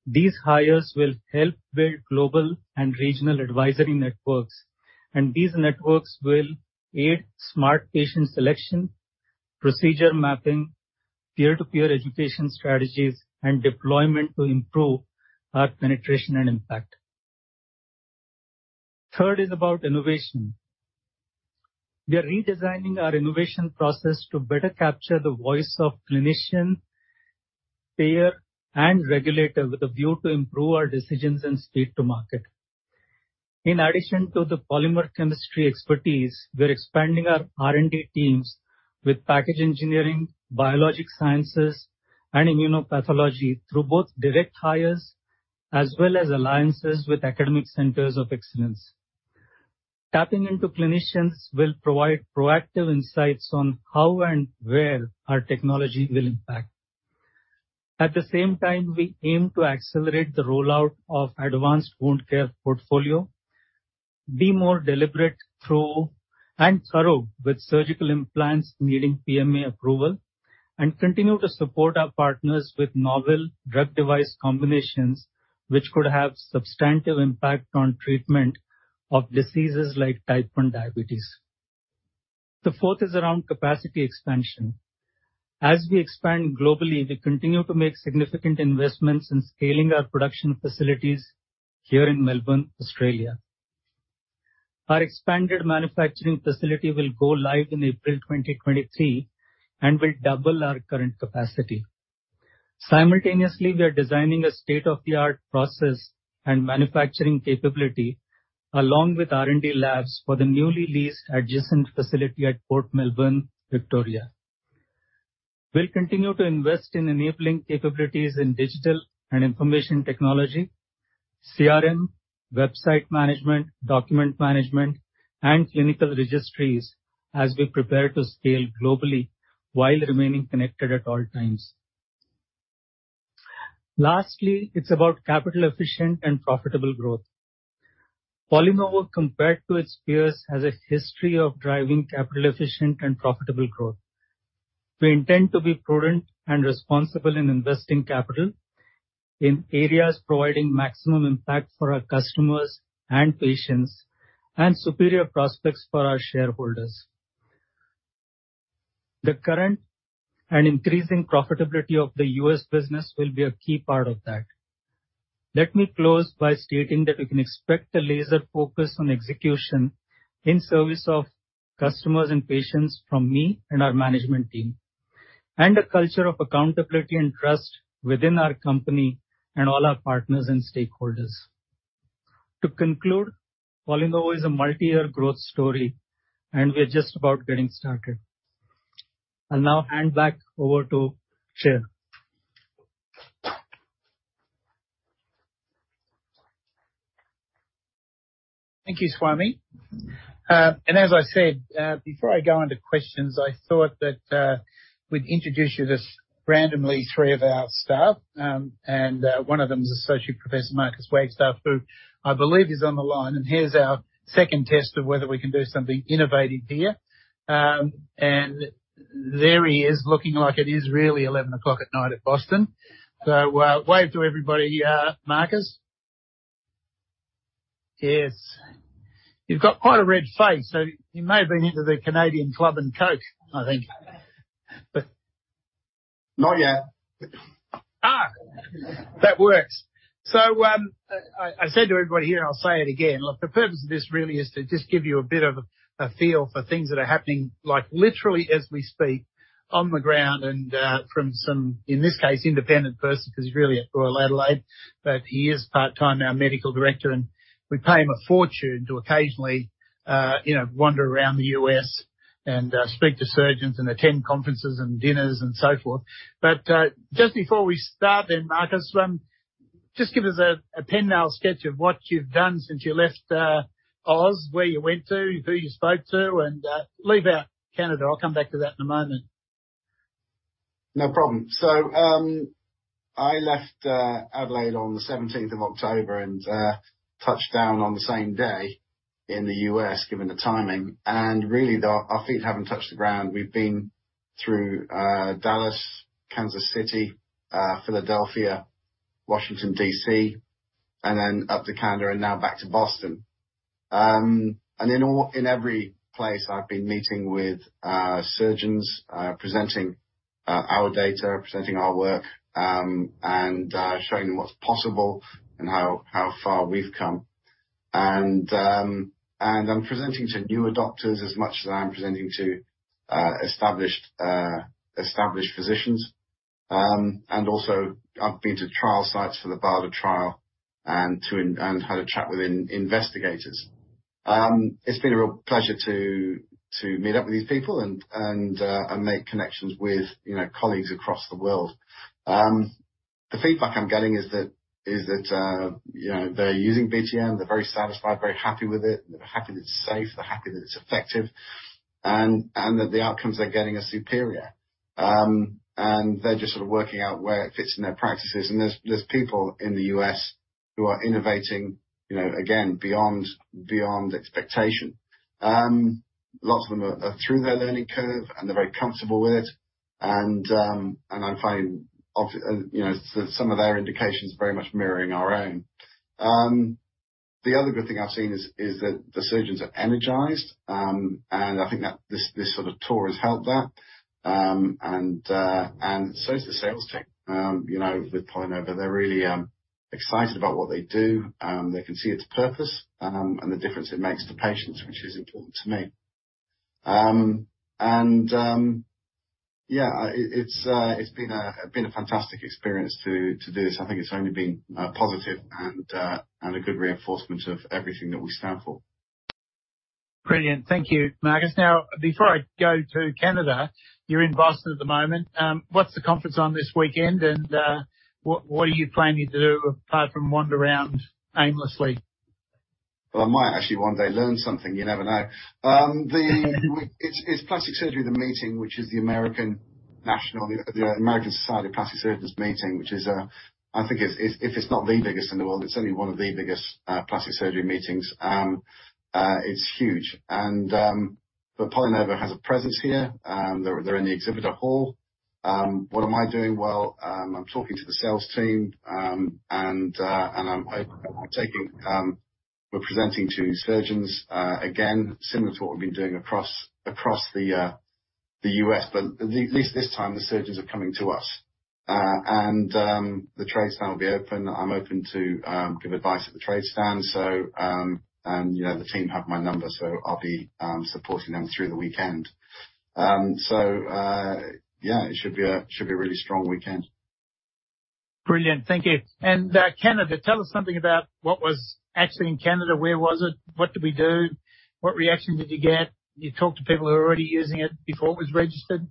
[SPEAKER 4] These hires will help build global and regional advisory networks, and these networks will aid smart patient selection, procedure mapping, peer-to-peer education strategies and deployment to improve our penetration and impact. Third is about innovation. We are redesigning our innovation process to better capture the voice of clinician, payer, and regulator with a view to improve our decisions and speed to market. In addition to the polymer chemistry expertise, we're expanding our R&D teams with package engineering, biologic sciences, and immunopathology through both direct hires as well as alliances with academic centers of excellence. Tapping into clinicians will provide proactive insights on how and where our technology will impact. At the same time, we aim to accelerate the rollout of advanced wound care portfolio, be more deliberate, thorough with surgical implants needing PMA approval, and continue to support our partners with novel drug device combinations which could have substantive impact on treatment of diseases like type 1 diabetes. The fourth is around capacity expansion. As we expand globally, we continue to make significant investments in scaling our production facilities here in Melbourne, Australia. Our expanded manufacturing facility will go live in April 2023 and will double our current capacity. Simultaneously, we are designing a state-of-the-art process and manufacturing capability along with R&D labs for the newly leased adjacent facility at Port Melbourne, Victoria. We'll continue to invest in enabling capabilities in digital and information technology, CRM, website management, document management, and clinical registries as we prepare to scale globally while remaining connected at all times. Lastly, it's about capital efficient and profitable growth. PolyNovo, compared to its peers, has a history of driving capital efficient and profitable growth. We intend to be prudent and responsible in investing capital in areas providing maximum impact for our customers and patients, and superior prospects for our shareholders. The current and increasing profitability of the U.S. business will be a key part of that. Let me close by stating that you can expect a laser focus on execution in service of customers and patients from me and our management team, and a culture of accountability and trust within our company and all our partners and stakeholders. To conclude, PolyNovo is a multi-year growth story and we are just about getting started. I'll now hand back over to Chair.
[SPEAKER 1] Thank you, Swami. As I said, before I go on to questions, I thought that we'd introduce you to randomly three of our staff, and one of them is Associate Professor Marcus Wagstaff, who I believe is on the line. Here's our second test of whether we can do something innovative here. There he is, looking like it is really 11:00 P.M. at Boston. Wave to everybody, Marcus. Yes. You've got quite a red face, so you may have been into the Canadian Club and Coke, I think.
[SPEAKER 5] Not yet.
[SPEAKER 1] That works. I said to everybody here, and I'll say it again, look, the purpose of this really is to just give you a bit of a feel for things that are happening, like, literally as we speak on the ground and from some in this case, independent person, 'cause he's really at Royal Adelaide, but he is part-time our medical director, and we pay him a fortune to occasionally, you know, wander around the U.S. and speak to surgeons and attend conferences and dinners and so forth. Just before we start then, Marcus, just give us a pencil sketch of what you've done since you left Oz, where you went to, who you spoke to, and leave out Canada. I'll come back to that in a moment.
[SPEAKER 5] No problem. I left Adelaide on the seventeenth of October and touched down on the same day in the U.S., given the timing, and really, our feet haven't touched the ground. We've been through Dallas, Kansas City, Philadelphia, Washington, D.C., and then up to Canada and now back to Boston. In all, in every place, I've been meeting with surgeons, presenting our data, presenting our work, and showing them what's possible and how far we've come. I'm presenting to newer doctors as much as I'm presenting to established physicians. I've been to trial sites for the BARDA trial and had a chat with investigators. It's been a real pleasure to meet up with these people and make connections with, you know, colleagues across the world. The feedback I'm getting is that, you know, they're using BTM, they're very satisfied, very happy with it. They're happy that it's safe, they're happy that it's effective and that the outcomes they're getting are superior. They're just sort of working out where it fits in their practices. There's people in the U.S. who are innovating, you know, again, beyond expectation. Lots of them are through their learning curve, and they're very comfortable with it. I'm finding, you know, some of their indications very much mirroring our own. The other good thing I've seen is that the surgeons are energized, and I think that this sort of tour has helped that. So has the sales team. You know, with PolyNovo, they're really excited about what they do. They can see its purpose, and the difference it makes to patients, which is important to me. Yeah. It's been a fantastic experience to do this. I think it's only been positive and a good reinforcement of everything that we stand for.
[SPEAKER 1] Brilliant. Thank you, Marcus. Now, before I go to Canada, you're in Boston at the moment. What's the conference on this weekend, and what are you planning to do apart from wander around aimlessly?
[SPEAKER 5] Well, I might actually one day learn something. You never know. It's Plastic Surgery The Meeting which is the American Society of Plastic Surgeons meeting, which is. I think it's. If it's not the biggest in the world, it's only one of the biggest plastic surgery meetings. It's huge. PolyNovo has a presence here. They're in the exhibitor hall. What am I doing? Well, I'm talking to the sales team. We're presenting to surgeons, again, similar to what we've been doing across the U.S., but at least this time, the surgeons are coming to us. The trade stand will be open. I'm open to give advice at the trade stand. you know, the team have my number, so I'll be supporting them through the weekend. yeah, it should be a really strong weekend.
[SPEAKER 1] Brilliant. Thank you. Actually, in Canada, where was it? What did we do? What reaction did you get? Did you talk to people who were already using it before it was registered?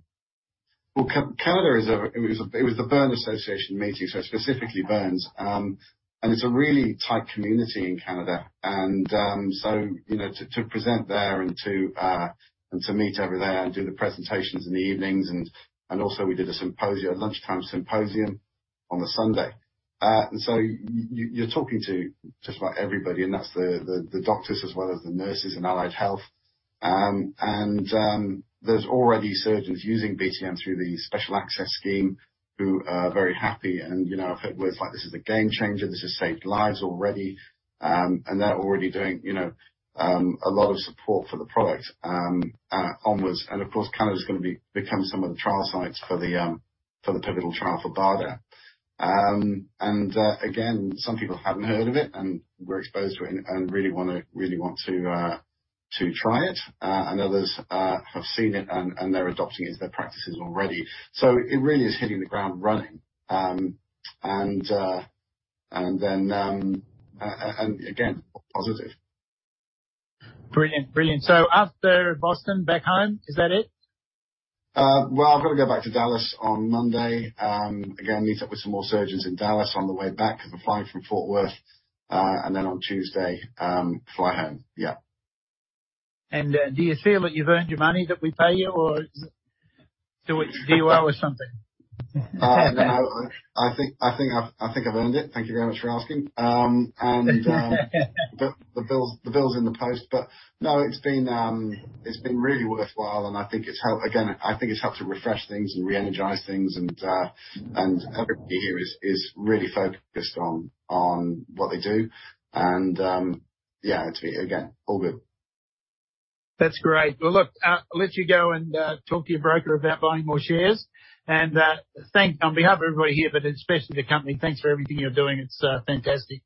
[SPEAKER 5] Well, it was the Burn Association meeting, so specifically burns. It's a really tight community in Canada, so you know, to present there and to meet over there and do the presentations in the evenings, and also we did a symposium, a lunchtime symposium on Sunday. You're talking to just about everybody, and that's the doctors as well as the nurses and allied health. There's already surgeons using BTM through the Special Access Scheme who are very happy, you know, have words like, "This is a game changer. This has saved lives already." They're already doing you know, a lot of support for the product onwards. Of course, Canada's gonna become some of the trial sites for the pivotal trial for BARDA. Again, some people hadn't heard of it and were exposed to it and really want to try it. Others have seen it, and they're adopting it into their practices already. It really is hitting the ground running. Then, again, positive.
[SPEAKER 1] Brilliant. After Boston, back home, is that it?
[SPEAKER 5] Well, I've got to go back to Dallas on Monday. Again, meet up with some more surgeons in Dallas on the way back 'cause we're flying from Fort Worth, and then on Tuesday, fly home.
[SPEAKER 1] do you feel that you've earned your money, that we pay you, or do what you do well or something?
[SPEAKER 5] No, I think I've earned it. Thank you very much for asking. The bill's in the post, but no, it's been really worthwhile, and I think it's helped to refresh things and re-energize things, and everybody here is really focused on what they do. All good.
[SPEAKER 1] That's great. Well, look, I'll let you go and talk to your broker about buying more shares. On behalf of everybody here, but especially the company, thanks for everything you're doing. It's fantastic.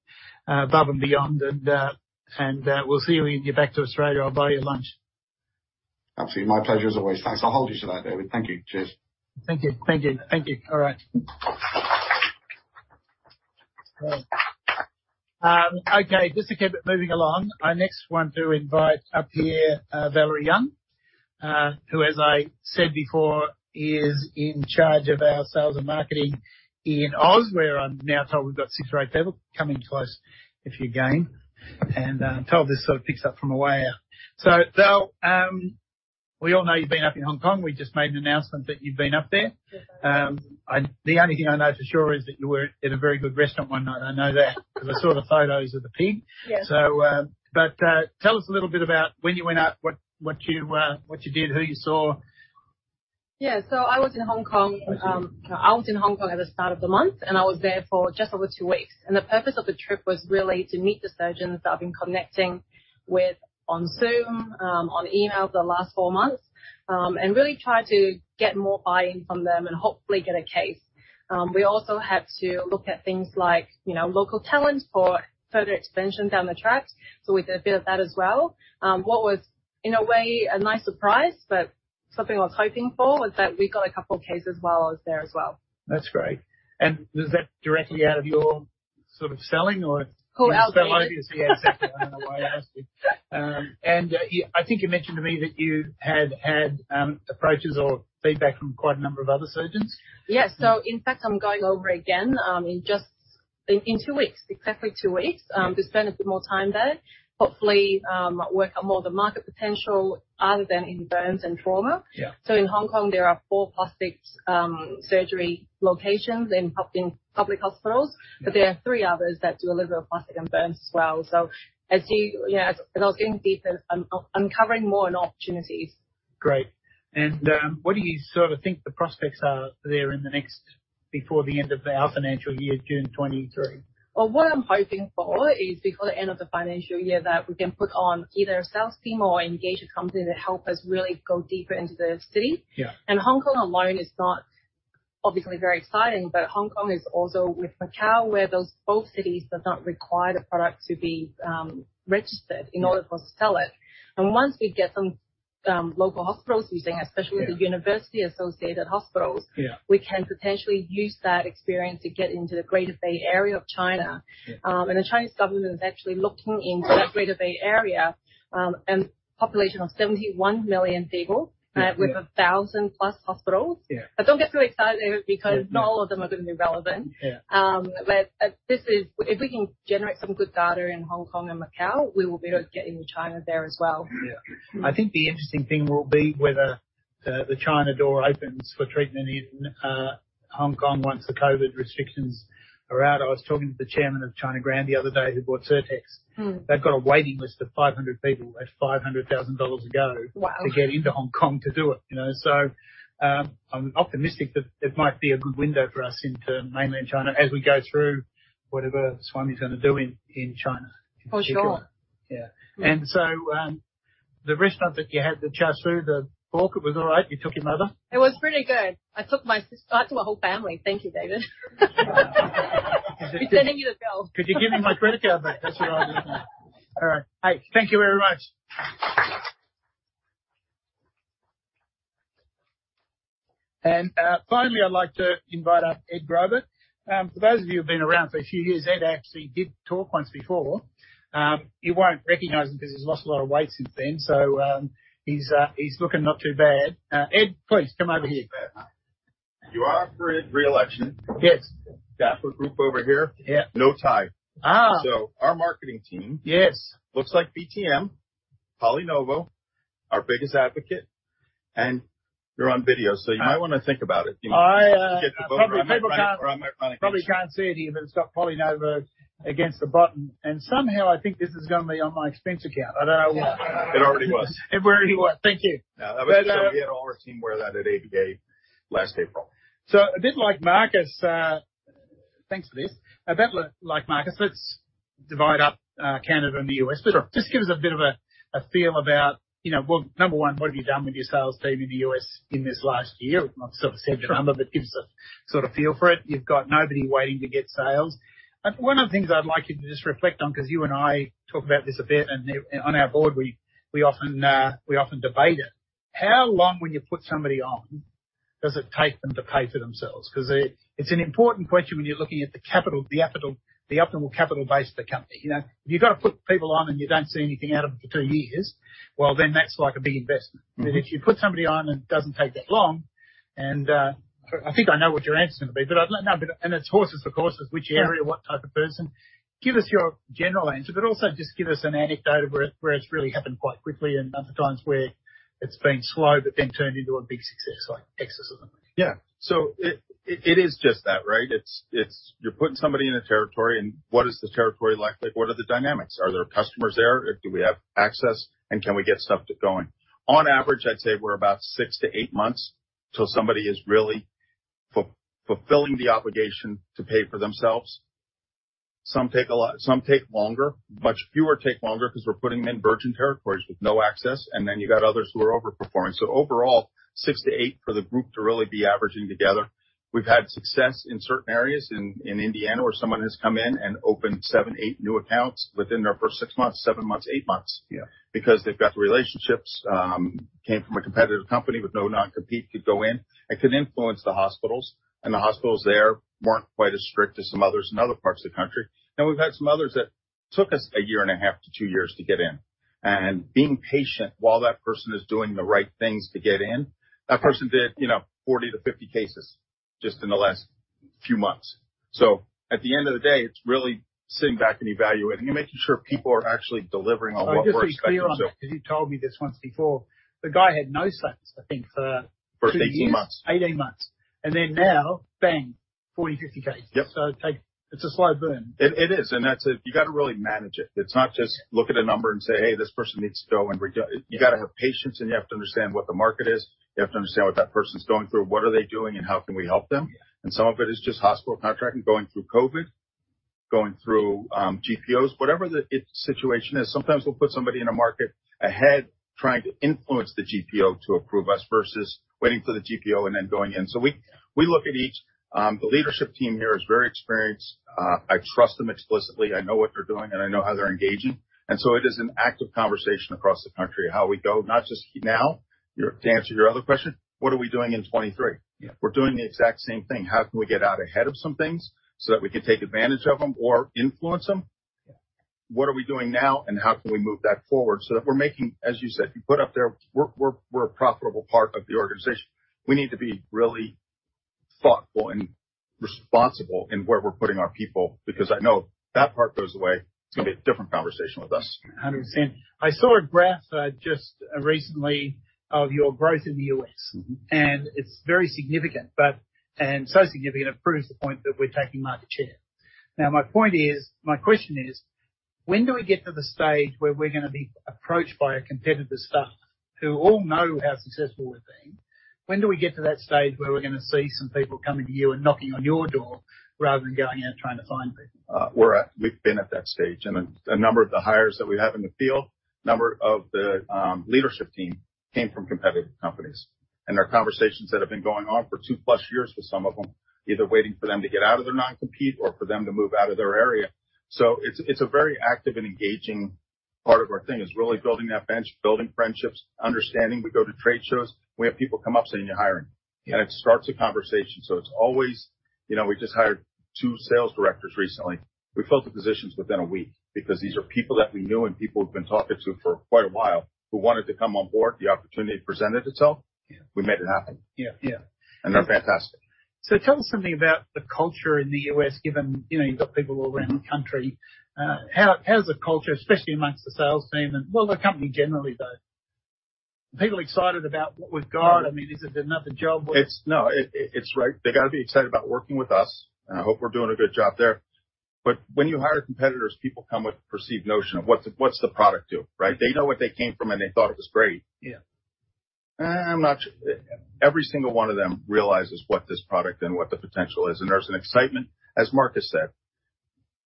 [SPEAKER 1] Above and beyond, and we'll see you when you get back to Australia. I'll buy you lunch.
[SPEAKER 5] Absolutely. My pleasure as always. Thanks. I'll hold you to that, David. Thank you. Cheers.
[SPEAKER 1] Thank you. All right. Okay, just to keep it moving along, I next want to invite up here Valerie Young, who as I said before is in charge of our sales and marketing in ANZ, where I'm now told we've got six or eight people coming close, if you like. I'm told this sort of picks up from where we left off. Val, we all know you've been up in Hong Kong. We just made an announcement that you've been up there.
[SPEAKER 6] Yes, I have.
[SPEAKER 1] The only thing I know for sure is that you were in a very good restaurant one night. I know that. Because I saw the photos of the pig.
[SPEAKER 6] Yeah.
[SPEAKER 1] Tell us a little bit about when you went out, what you did, who you saw.
[SPEAKER 6] Yeah. I was in Hong Kong at the start of the month, and I was there for just over two weeks. The purpose of the trip was really to meet the surgeons that I've been connecting with on Zoom, on email for the last four months, and really try to get more buy-in from them and hopefully get a case. We also had to look at things like, you know, local talent for further expansion down the track. We did a bit of that as well. What was, in a way, a nice surprise, but something I was hoping for, was that we got a couple of cases while I was there as well.
[SPEAKER 1] That's great. Was that directly out of your sort of selling or?
[SPEAKER 6] Who else would be?
[SPEAKER 1] Well, obviously. Yeah, exactly. I don't know why I asked you. I think you mentioned to me that you had had approaches or feedback from quite a number of other surgeons.
[SPEAKER 6] Yeah. In fact, I'm going over again in two weeks. Exactly two weeks.
[SPEAKER 1] Yeah.
[SPEAKER 6] To spend a bit more time there, hopefully, work out more of the market potential other than in burns and trauma.
[SPEAKER 1] Yeah.
[SPEAKER 6] In Hong Kong, there are four plastic surgery locations in public hospitals, but there are three others that do a little bit of plastic and burns as well. As I was getting deeper, I'm uncovering more and more opportunities.
[SPEAKER 1] Great. What do you sort of think the prospects are there in the next, before the end of our financial year, June 2023?
[SPEAKER 6] Well, what I'm hoping for is before the end of the financial year that we can put on either a sales team or engage a company to help us really go deeper into the city.
[SPEAKER 1] Yeah.
[SPEAKER 6] Hong Kong alone is not obviously very exciting, but Hong Kong is also with Macau, where those both cities does not require the product to be registered in order for us to sell it. Once we get some local hospitals using, especially the university-associated hospitals-
[SPEAKER 1] Yeah
[SPEAKER 6] We can potentially use that experience to get into the Greater Bay Area of China.
[SPEAKER 1] Yeah.
[SPEAKER 6] The Chinese government is actually looking into that Greater Bay Area and population of 71 million people.
[SPEAKER 1] Yeah
[SPEAKER 6] with 1,000+ hospitals.
[SPEAKER 1] Yeah.
[SPEAKER 6] Don't get too excited, David, because not all of them are gonna be relevant.
[SPEAKER 1] Yeah.
[SPEAKER 6] If we can generate some good data in Hong Kong and Macau, we will be able to get into China there as well.
[SPEAKER 1] Yeah. I think the interesting thing will be whether the China door opens for treatment in Hong Kong once the COVID restrictions are out. I was talking to the chairman of China Grand the other day who bought Sirtex.
[SPEAKER 6] Mm.
[SPEAKER 1] They've got a waiting list of 500 people at 500,000 dollars a go-
[SPEAKER 6] Wow!
[SPEAKER 1] to get into Hong Kong to do it, you know. I'm optimistic that it might be a good window for us into mainland China as we go through whatever Swami is gonna do in China.
[SPEAKER 6] For sure.
[SPEAKER 1] Yeah. The restaurant that you had, the Char Siu Pork, it was all right? You took your mother?
[SPEAKER 6] It was pretty good. I took my whole family. Thank you, David. He's sending you the bill.
[SPEAKER 1] Could you give me my credit card back? That's what I want to know. All right. Hey, thank you very much. Finally, I'd like to invite up Ed Graubart. For those of you who've been around for a few years, Ed actually did talk once before. You won't recognize him because he's lost a lot of weight since then. He's looking not too bad. Ed, please come over here.
[SPEAKER 7] You are up for re-election.
[SPEAKER 1] Yes.
[SPEAKER 7] Got a group over here.
[SPEAKER 1] Yeah.
[SPEAKER 7] No tie.
[SPEAKER 1] Ah.
[SPEAKER 7] Our marketing team.
[SPEAKER 1] Yes
[SPEAKER 7] Looks like BTM, PolyNovo, our biggest advocate, and you're on video, so you might wanna think about it.
[SPEAKER 1] I, uh-
[SPEAKER 7] Get the vote or I might run against you.
[SPEAKER 1] Probably can't see it here, but it's got PolyNovo against the button. Somehow I think this is gonna be on my expense account. I don't know why.
[SPEAKER 7] It already was.
[SPEAKER 1] It already was. Thank you.
[SPEAKER 7] Yeah. That was so we had all our team wear that at ABA last April.
[SPEAKER 1] A bit like Marcus. Thanks for this. A bit like Marcus, let's divide up Canada and the U.S.
[SPEAKER 7] Sure.
[SPEAKER 1] Just give us a bit of a feel about, you know, well, number one, what have you done with your sales team in the U.S. in this last year? Not sort of say a number, but give us a sort of feel for it. You've got nobody waiting to get sales. One of the things I'd like you to just reflect on, 'cause you and I talk about this a bit and I, on our board, we often debate it. How long, when you put somebody on, does it take them to pay for themselves? 'Cause it's an important question when you're looking at the capital, the optimal capital base of the company, you know. If you've got to put people on and you don't see anything out of them for two years, well, then that's like a big investment.
[SPEAKER 7] Mm-hmm.
[SPEAKER 1] If you put somebody on and it doesn't take that long, and I think I know what your answer's gonna be, but I'd like to know. It's horses for courses, which area, what type of person. Give us your general answer, but also just give us an anecdote of where it's really happened quite quickly and other times where it's been slow but then turned into a big success like Exodus or something.
[SPEAKER 7] Yeah. It is just that, right? It's you're putting somebody in a territory and what is the territory like? Like, what are the dynamics? Are there customers there? Do we have access? And can we get stuff to going? On average, I'd say we're about 6-8 months till somebody is really- Fulfilling the obligation to pay for themselves. Some take longer, much fewer take longer because we're putting them in virgin territories with no access. Then you got others who are overperforming. Overall, 6-8 for the group to really be averaging together. We've had success in certain areas in Indiana, where someone has come in and opened seven, eight new accounts within their first six months, seven months, eight months.
[SPEAKER 1] Yeah.
[SPEAKER 7] Because they've got the relationships, came from a competitive company with no non-compete, could go in and could influence the hospitals. The hospitals there weren't quite as strict as some others in other parts of the country. Now we've had some others that took us a year and a half to two years to get in. Being patient while that person is doing the right things to get in. That person did, you know, 40 to 50 cases just in the last few months. At the end of the day, it's really sitting back and evaluating and making sure people are actually delivering on what we're expecting.
[SPEAKER 1] Just to be clear on this, because you told me this once before, the guy had no sales, I think, for.
[SPEAKER 7] For 18 months.
[SPEAKER 1] 18 months, and then now, bang, 40, 50 cases.
[SPEAKER 7] Yep.
[SPEAKER 1] It's a slow burn.
[SPEAKER 7] It is. That's it. You got to really manage it. It's not just look at a number and say, "Hey, this person needs to go." You got to have patience, and you have to understand what the market is. You have to understand what that person's going through, what are they doing, and how can we help them.
[SPEAKER 1] Yeah.
[SPEAKER 7] Some of it is just hospital contracting, going through COVID, going through GPOs, whatever the situation is. Sometimes we'll put somebody in a market ahead trying to influence the GPO to approve us versus waiting for the GPO and then going in. We look at each, the leadership team here is very experienced. I trust them explicitly. I know what they're doing, and I know how they're engaging. It is an active conversation across the country, how we go, not just now. To answer your other question, what are we doing in 2023?
[SPEAKER 1] Yeah.
[SPEAKER 7] We're doing the exact same thing. How can we get out ahead of some things so that we can take advantage of them or influence them?
[SPEAKER 1] Yeah.
[SPEAKER 7] What are we doing now, and how can we move that forward so that we're making, as you said, you put up there, we're a profitable part of the organization. We need to be really thoughtful and responsible in where we're putting our people, because I know that part goes away, it's gonna be a different conversation with us.
[SPEAKER 1] 100%. I saw a graph just recently of your growth in the U.S., and it's very significant, and so significant it proves the point that we're taking market share. Now, my point is, my question is, when do we get to the stage where we're gonna be approached by a competitor's staff who all know how successful we're being? When do we get to that stage where we're gonna see some people coming to you and knocking on your door rather than going out trying to find people?
[SPEAKER 7] We've been at that stage, and a number of the hires that we have in the field, a number of the leadership team came from competitive companies. There are conversations that have been going on for two-plus years with some of them, either waiting for them to get out of their non-compete or for them to move out of their area. It's a very active and engaging part of our thing, really building that bench, building friendships, understanding. We go to trade shows. We have people come up saying, "You're hiring.
[SPEAKER 1] Yeah.
[SPEAKER 7] It starts a conversation. It's always. You know, we just hired two sales directors recently. We filled the positions within a week because these are people that we knew and people we've been talking to for quite a while who wanted to come on board. The opportunity presented itself.
[SPEAKER 1] Yeah.
[SPEAKER 7] We made it happen.
[SPEAKER 1] Yeah. Yeah.
[SPEAKER 7] They're fantastic.
[SPEAKER 1] Tell us something about the culture in the U.S., given, you know, you've got people all around the country. How's the culture, especially among the sales team and, well, the company generally, though? Are people excited about what we've got? I mean, is it another job where-
[SPEAKER 7] It's great. They got to be excited about working with us, and I hope we're doing a good job there. When you hire competitors, people come with a perceived notion of what the product does, right? They know what they came from, and they thought it was great.
[SPEAKER 1] Yeah.
[SPEAKER 7] Every single one of them realizes what this product and what the potential is. There's an excitement, as Marcus said,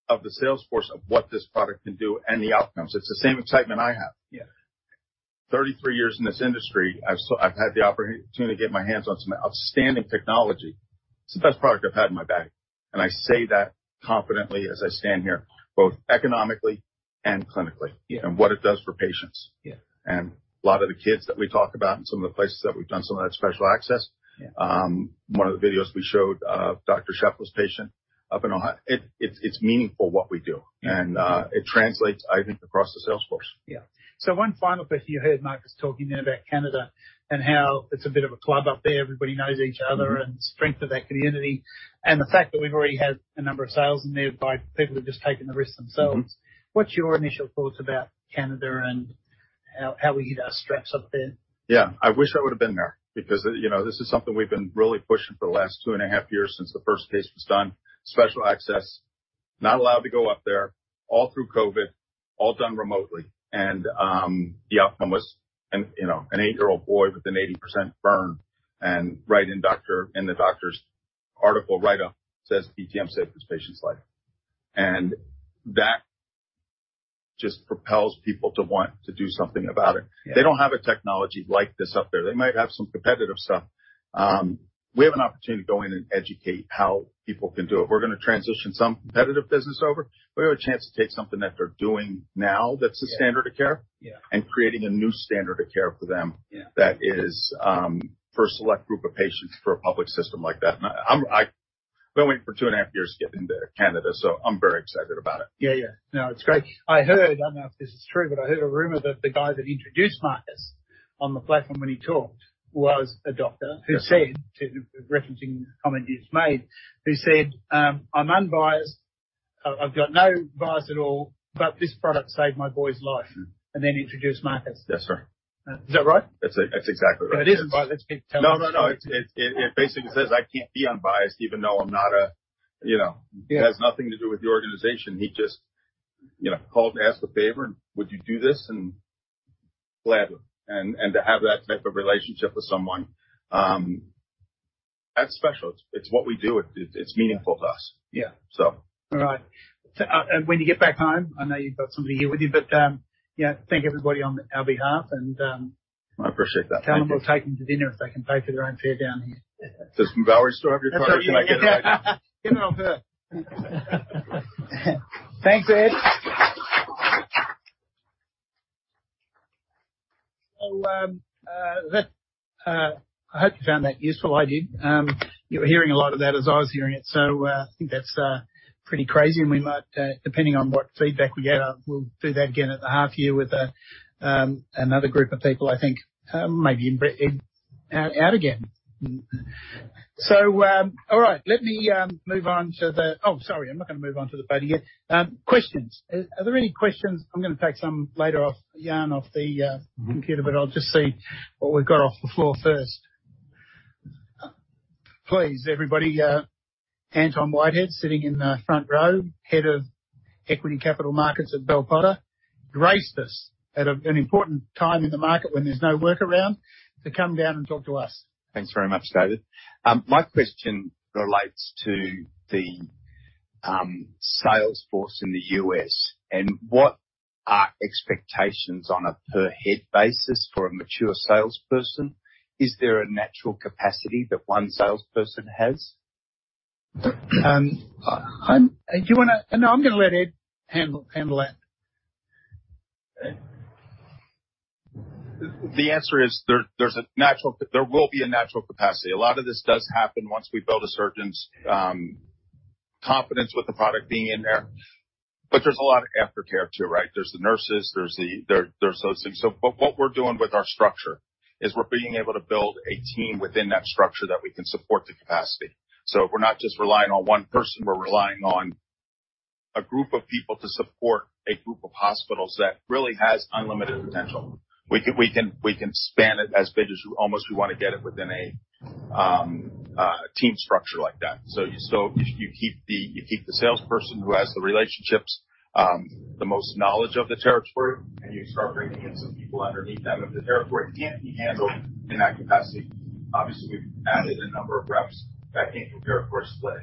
[SPEAKER 7] of the sales force of what this product can do and the outcomes. It's the same excitement I have.
[SPEAKER 1] Yeah.
[SPEAKER 7] 33 years in this industry, I've had the opportunity to get my hands on some outstanding technology. It's the best product I've had in my bag. I say that confidently as I stand here, both economically and clinically.
[SPEAKER 1] Yeah.
[SPEAKER 7] What it does for patients.
[SPEAKER 1] Yeah.
[SPEAKER 7] A lot of the kids that we talk about and some of the places that we've done some of that Special Access.
[SPEAKER 1] Yeah.
[SPEAKER 7] One of the videos we showed of Dr. Shiff's patient. It's meaningful what we do.
[SPEAKER 1] Yeah.
[SPEAKER 7] It translates, I think, across the sales force.
[SPEAKER 1] Yeah. One final question. You heard Marcus talking there about Canada and how it's a bit of a club up there. Everybody knows each other and strength of that community and the fact that we've already had a number of sales in there by people who've just taken the risk themselves.
[SPEAKER 7] Mm-hmm.
[SPEAKER 1] What's your initial thoughts about Canada and how we stretch up there?
[SPEAKER 7] Yeah. I wish I would have been there because, you know, this is something we've been really pushing for the last 2.5 years since the first case was done. Special access, not allowed to go up there all through COVID, all done remotely. The outcome was, you know, an 8-year-old boy with an 80% burn. Right in the doctor's article write-up, says BTM saved this patient's life. That just propels people to want to do something about it.
[SPEAKER 1] Yeah.
[SPEAKER 7] They don't have a technology like this up there. They might have some competitive stuff. We have an opportunity to go in and educate how people can do it. We're gonna transition some competitive business over. We have a chance to take something that they're doing now that's the standard of care.
[SPEAKER 1] Yeah.
[SPEAKER 7] Creating a new standard of care for them.
[SPEAKER 1] Yeah.
[SPEAKER 7] That is, for a select group of patients for a public system like that. I've been waiting for two and a half years to get into Canada, so I'm very excited about it.
[SPEAKER 1] Yeah. Yeah. No, it's great. I heard, I don't know if this is true, but I heard a rumor that the guy that introduced Marcus on the platform when he talked was a doctor who said, referencing the comment you just made, who said, "I'm unbiased. I've got no bias at all, but this product saved my boy's life," and then he introduced Marcus.
[SPEAKER 7] That's right.
[SPEAKER 1] Is that right?
[SPEAKER 7] That's exactly right.
[SPEAKER 1] It isn't biased. It's being totally honest.
[SPEAKER 7] No. It basically says I can't be unbiased even though I'm not a, you know.
[SPEAKER 1] Yeah.
[SPEAKER 7] It has nothing to do with the organization. He just, you know, called to ask a favor and would you do this? Gladly. To have that type of relationship with someone, that's special. It's what we do. It's meaningful to us.
[SPEAKER 1] Yeah.
[SPEAKER 7] So.
[SPEAKER 1] All right. When you get back home, I know you've got somebody here with you, but yeah, thank everybody on our behalf, and.
[SPEAKER 7] I appreciate that.
[SPEAKER 1] Tell them we'll take them to dinner if they can pay for their own fare down here.
[SPEAKER 7] Does Valerie still have your card? Can I get it?
[SPEAKER 1] Get it off her. Thanks, Ed. I hope you found that useful. I did. You were hearing a lot of that as I was hearing it, so I think that's pretty crazy. We might, depending on what feedback we get, we'll do that again at the half year with another group of people, I think, maybe invite Ed out again. All right, let me move on to the. Oh, sorry, I'm not gonna move on to the voting yet. Questions. Are there any questions? I'm gonna take some later from Jan off the computer, but I'll just see what we've got off the floor first. Please, everybody, Anton Whitehead, sitting in the front row, Head of Equity Capital Markets at Bell Potter, graced us at an important time in the market when there's no work around to come down and talk to us.
[SPEAKER 8] Thanks very much, David. My question relates to the sales force in the U.S., and what are expectations on a per head basis for a mature salesperson? Is there a natural capacity that one salesperson has?
[SPEAKER 1] No, I'm gonna let Ed handle that.
[SPEAKER 7] The answer is there will be a natural capacity. A lot of this does happen once we build a surgeon's confidence with the product being in there. But there's a lot of aftercare too, right? There's the nurses, there's those things. What we're doing with our structure is we're being able to build a team within that structure that we can support the capacity. We're not just relying on one person, we're relying on a group of people to support a group of hospitals that really has unlimited potential. We can span it as big as almost we wanna get it within a team structure like that. You keep the salesperson who has the relationships, the most knowledge of the territory, and you start bringing in some people underneath them. If the territory can't be handled in that capacity, obviously, we've added a number of reps that came from territory split.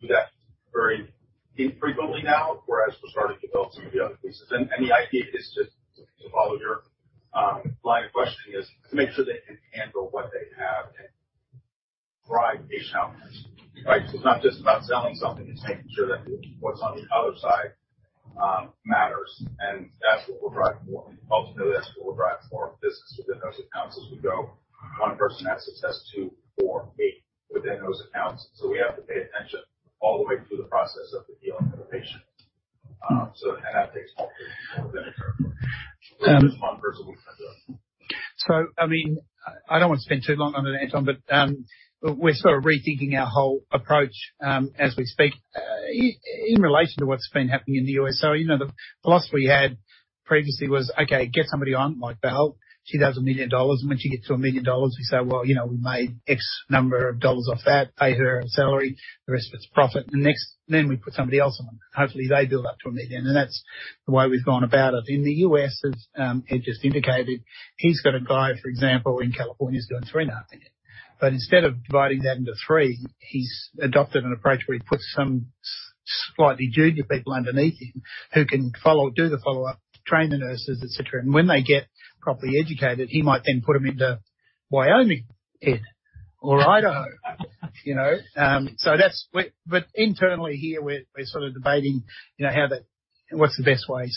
[SPEAKER 7] Do that very infrequently now, whereas we're starting to build some of the other pieces. The idea is just to follow your line of questioning is to make sure they can handle what they have and drive patient outcomes, right? It's not just about selling something, it's making sure that what's on the other side matters, and that's what we're driving for. Ultimately, that's what we're driving for business within those accounts as we go. one person has success, two, four, eight within those accounts. We have to pay attention all the way through the process of the healing of the patient. That takes multiple people within a territory. There's just one person who can do it.
[SPEAKER 1] I mean, I don't want to spend too long on it, Anton, but, we're sort of rethinking our whole approach, as we speak, in relation to what's been happening in the U.S.. You know, the philosophy we had previously was, okay, get somebody on like Val. She does $1 million, and when she gets to $1 million, we say, well, you know, we made X number of dollars off that, pay her a salary, the rest of it's profit. We put somebody else on, and hopefully, they build up to $1 million. That's the way we've gone about it. In the U.S., as Ed just indicated, he's got a guy, for example, in California, who's doing $3.5 million. Instead of dividing that into three, he's adopted an approach where he puts some slightly junior people underneath him who can follow, do the follow-up, train the nurses, et cetera. When they get properly educated, he might then put them into Wyoming, Ed, or Idaho. That's. Internally here, we're sort of debating how that, what's the best way.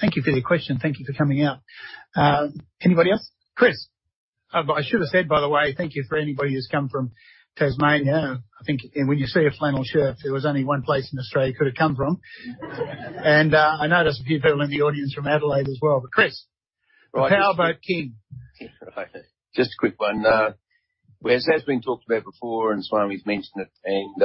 [SPEAKER 1] Thank you for your question. Thank you for coming out. Anybody else? Chris. I should have said, by the way, thank you for anybody who's come from Tasmania. When you see a flannel shirt, there was only one place in Australia it could have come from. I know there's a few people in the audience from Adelaide as well. Chris.
[SPEAKER 9] Right.
[SPEAKER 1] How about King?
[SPEAKER 9] Right. Just a quick one. Whereas that's been talked about before, and Swami's mentioned it, and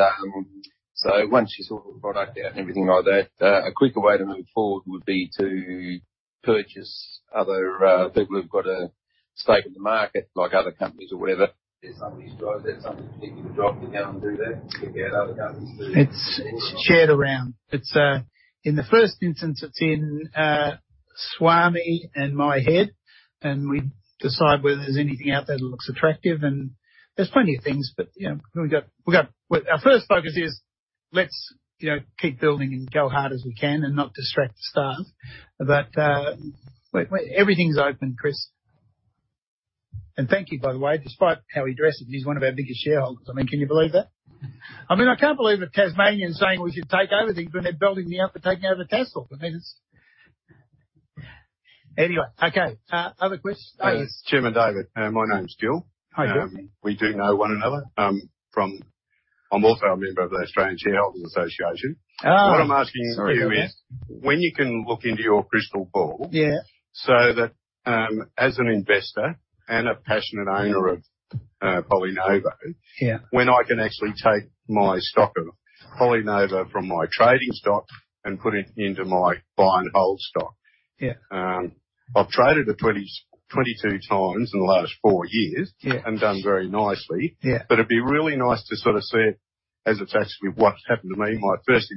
[SPEAKER 9] so once you sort the product out and everything like that, a quicker way to move forward would be to purchase other people who've got a stake in the market, like other companies or whatever. Is that something you strive? Is that something particular job to go and do that? Figure out other companies to.
[SPEAKER 1] It's shared around. It's in the first instance, it's in Swami and my head, and we decide whether there's anything out there that looks attractive, and there's plenty of things. You know, we got. Well, our first focus is let's keep building and go hard as we can and not distract the staff. Everything's open, Chris. Thank you, by the way. Despite how he dresses, he's one of our biggest shareholders. I mean, can you believe that? I mean, I can't believe a Tasmanian's saying we should take over things when they're building me up for taking over Tesla. I mean. Anyway. Okay. Other questions? Oh, yes.
[SPEAKER 10] Chairman David, my name is Gil.
[SPEAKER 1] Hi, Gil.
[SPEAKER 10] We do know one another. I'm also a member of the Australian Shareholders' Association.
[SPEAKER 1] Oh.
[SPEAKER 10] What I'm asking you is.
[SPEAKER 1] Sorry about that.
[SPEAKER 10] When you can look into your crystal ball.
[SPEAKER 1] Yeah.
[SPEAKER 10] As an investor and a passionate owner of PolyNovo.
[SPEAKER 1] Yeah.
[SPEAKER 10] When I can actually take my stock of PolyNovo from my trading stock and put it into my buy and hold stock.
[SPEAKER 1] Yeah.
[SPEAKER 10] I've traded it 22 times in the last four years.
[SPEAKER 1] Yeah.
[SPEAKER 10] Done very nicely.
[SPEAKER 1] Yeah.
[SPEAKER 10] It'd be really nice to sort of see as it's actually what's happened to me, my first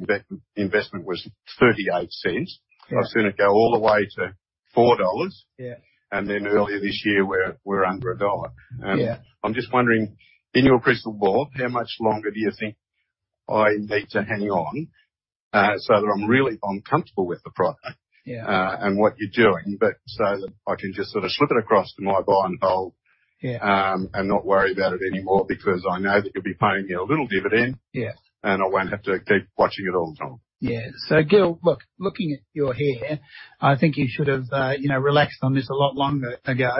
[SPEAKER 10] investment was 0.38.
[SPEAKER 1] Yeah.
[SPEAKER 10] I've seen it go all the way to 4 dollars.
[SPEAKER 1] Yeah.
[SPEAKER 10] Earlier this year, we're under AUD 1.
[SPEAKER 1] Yeah.
[SPEAKER 10] I'm just wondering, in your crystal ball, how much longer do you think I need to hang on so that I'm comfortable with the product?
[SPEAKER 1] Yeah.
[SPEAKER 10] What you're doing, but so that I can just sort of slip it across to my buy and hold.
[SPEAKER 1] Yeah.
[SPEAKER 10] not worry about it anymore because I know that you'll be paying me a little dividend.
[SPEAKER 1] Yeah.
[SPEAKER 10] I won't have to keep watching it all the time.
[SPEAKER 1] Yeah. Gil, look, looking at your hair, I think you should have, you know, relaxed on this a lot longer ago,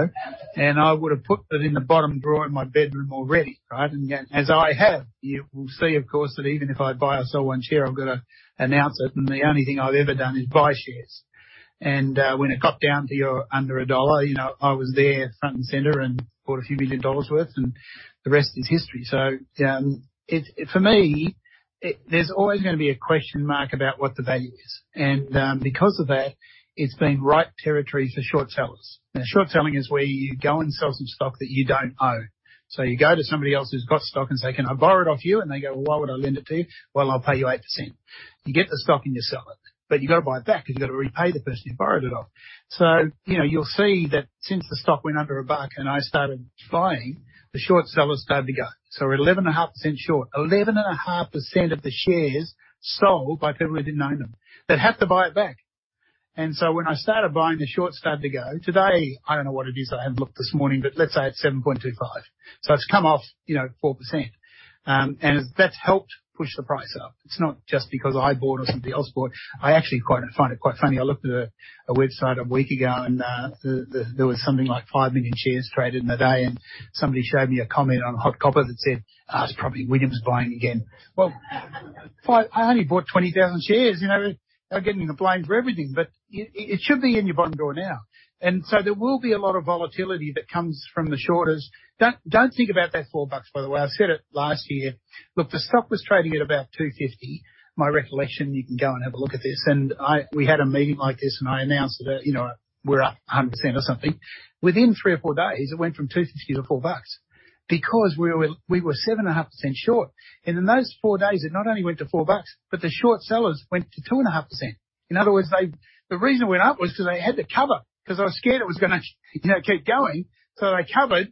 [SPEAKER 1] and I would have put it in the bottom drawer in my bedroom already, right? Yet, as I have, you will see, of course, that even if I buy or sell 1 share, I've got to announce it. The only thing I've ever done is buy shares. When it got down to under AUD 1, you know, I was there front and center and bought a few million AUD worth, and the rest is history. It, for me, there's always gonna be a question mark about what the value is. Because of that, it's been ripe territory for short sellers. Now, short selling is where you go and sell some stock that you don't own. You go to somebody else who's got stock and say, "Can I borrow it off you?" They go, "Well, why would I lend it to you?" "Well, I'll pay you 8%." You get the stock, and you sell it. You got to buy it back 'cause you got to repay the person you borrowed it off. You know, you'll see that since the stock went under a buck and I started buying, the short sellers started to go. We're 11.5% short. 11.5% of the shares sold by people who didn't own them. They'd have to buy it back. When I started buying, the short started to go. Today, I don't know what it is, I haven't looked this morning, but let's say it's 7.25%. It's come off, you know, 4%. That's helped push the price up. It's not just because I bought or somebody else bought. I actually quite find it quite funny. I looked at a website a week ago, and there was something like 5 million shares traded in the day, and somebody showed me a comment on HotCopper that said, "it's probably Williams's buying again." Well, I only bought 20,000 shares, you know. Now getting the blame for everything. It should be in your bottom drawer now. There will be a lot of volatility that comes from the shorters. Don't think about that 4 bucks, by the way. I said it last year. Look, the stock was trading at about 2.50. My recollection, you can go and have a look at this, and we had a meeting like this, and I announced that, you know, we're up 100% or something. Within three or four days, it went from 2.50 to 4 bucks because we were 7.5% short. In those 4 days, it not only went to 4 bucks, but the short sellers went to 2.5%. In other words, the reason it went up was because they had to cover because they were scared it was gonna, you know, keep going. They covered,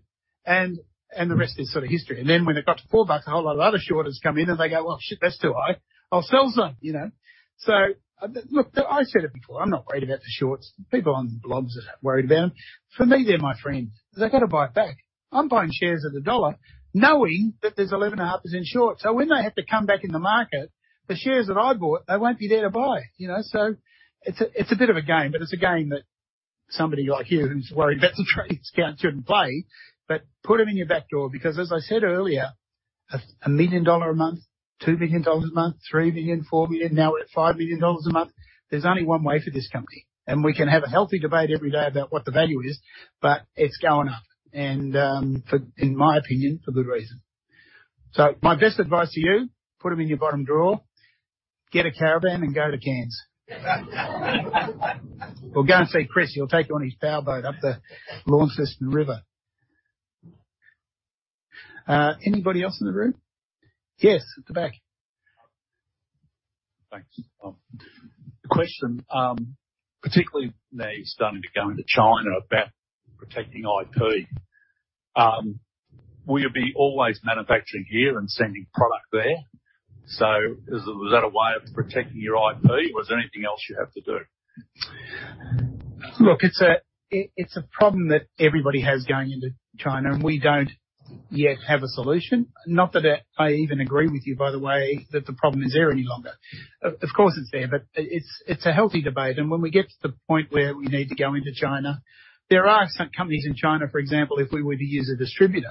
[SPEAKER 1] and the rest is sort of history. Then when it got to 4 bucks, a whole lot of other shorters come in, and they go, "Well, shit, that's too high. I'll sell some." You know. Look, I've said it before. I'm not worried about the shorts. People on blogs are worried about them. For me, they're my friends. They've got to buy it back. I'm buying shares at AUD 1 knowing that there's 11.5% short. When they have to come back in the market, the shares that I bought, they won't be there to buy, you know. It's a, it's a bit of a game, but it's a game that somebody like you who's worried about their trade account shouldn't play, but put them in your back door because, as I said earlier, 1 million dollar a month, 2 million dollars a month, 3 million, 4 million, now we're at 5 million dollars a month. There's only one way for this company, and we can have a healthy debate every day about what the value is, but it's going up and, for, in my opinion, for good reason. My best advice to you, put them in your bottom drawer, get a caravan and go to Cairns. Go and see Chris. He'll take you on his powerboat up the Launceston River. Anybody else in the room? Yes, at the back.
[SPEAKER 11] Thanks. Question. Particularly now you're starting to go into China about protecting IP, will you be always manufacturing here and sending product there? Was that a way of protecting your IP or is there anything else you have to do?
[SPEAKER 1] Look, it's a problem that everybody has going into China, and we don't yet have a solution. Not that I even agree with you, by the way, that the problem is there any longer. Of course, it's there, but it's a healthy debate. When we get to the point where we need to go into China, there are some companies in China, for example, if we were to use a distributor,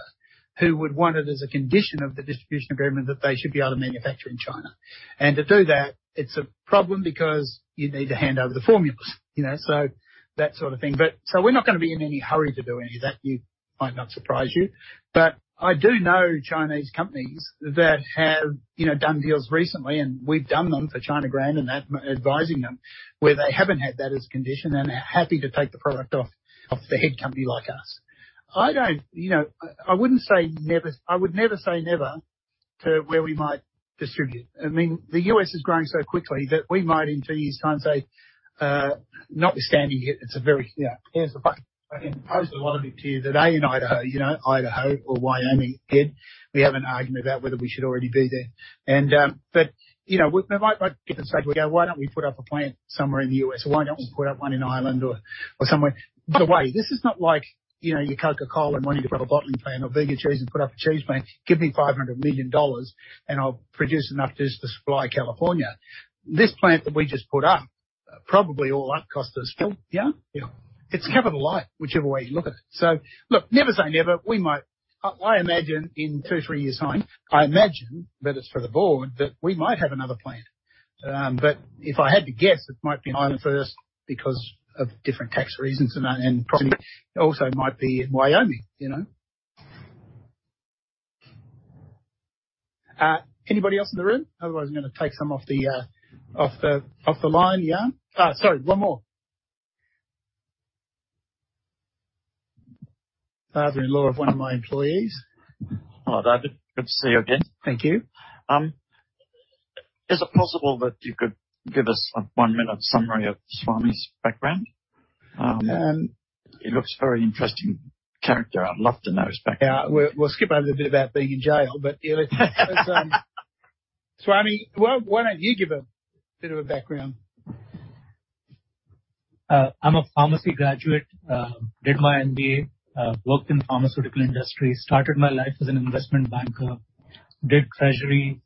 [SPEAKER 1] who would want it as a condition of the distribution agreement that they should be able to manufacture in China. To do that, it's a problem because you'd need to hand over the formulas, you know. That sort of thing. We're not gonna be in any hurry to do any of that. It might not surprise you. I do know Chinese companies that have, you know, done deals recently, and we've done them for China Grand advising them, where they haven't had that as a condition and are happy to take the product off the head company like us. I don't, you know, I wouldn't say never. I would never say never to where we might distribute. I mean, the U.S. is growing so quickly that we might in two years' time say, notwithstanding it's a very, you know today in Idaho or Wyoming, Ed. We have an argument about whether we should already be there. You know, we might get to a stage we go, "Why don't we put up a plant somewhere in the U.S.? Why don't we put up one in Ireland or somewhere? This is not like, you know, your Coca-Cola and wanting to put a bottling plant or Bega Cheese and put up a cheese plant. Give me 500 million dollars, and I'll produce enough just to supply California. This plant that we just put up, probably all up cost us AUD 4. Yeah.
[SPEAKER 11] Yeah.
[SPEAKER 1] It's capital light, whichever way you look at it. Look, never say never. I imagine in two, three years' time, I imagine that it's for the board, that we might have another plant. But if I had to guess, it might be Ireland first because of different tax reasons and probably also might be Wyoming, you know. Anybody else in the room? Otherwise, I'm gonna take some off the line here. Sorry, one more. Father-in-law of one of my employees.
[SPEAKER 12] Hi, David. Good to see you again.
[SPEAKER 1] Thank you.
[SPEAKER 12] Is it possible that you could give us a one-minute summary of Swami's background?
[SPEAKER 1] Um-
[SPEAKER 12] He looks very interesting character. I'd love to know his background.
[SPEAKER 1] Yeah, we'll skip over the bit about being in jail, but yeah. Let's, Swami, why don't you give a bit of a background?
[SPEAKER 4] I'm a pharmacy graduate. Did my MBA, worked in pharmaceutical industry, started my life as an investment banker, did treasury,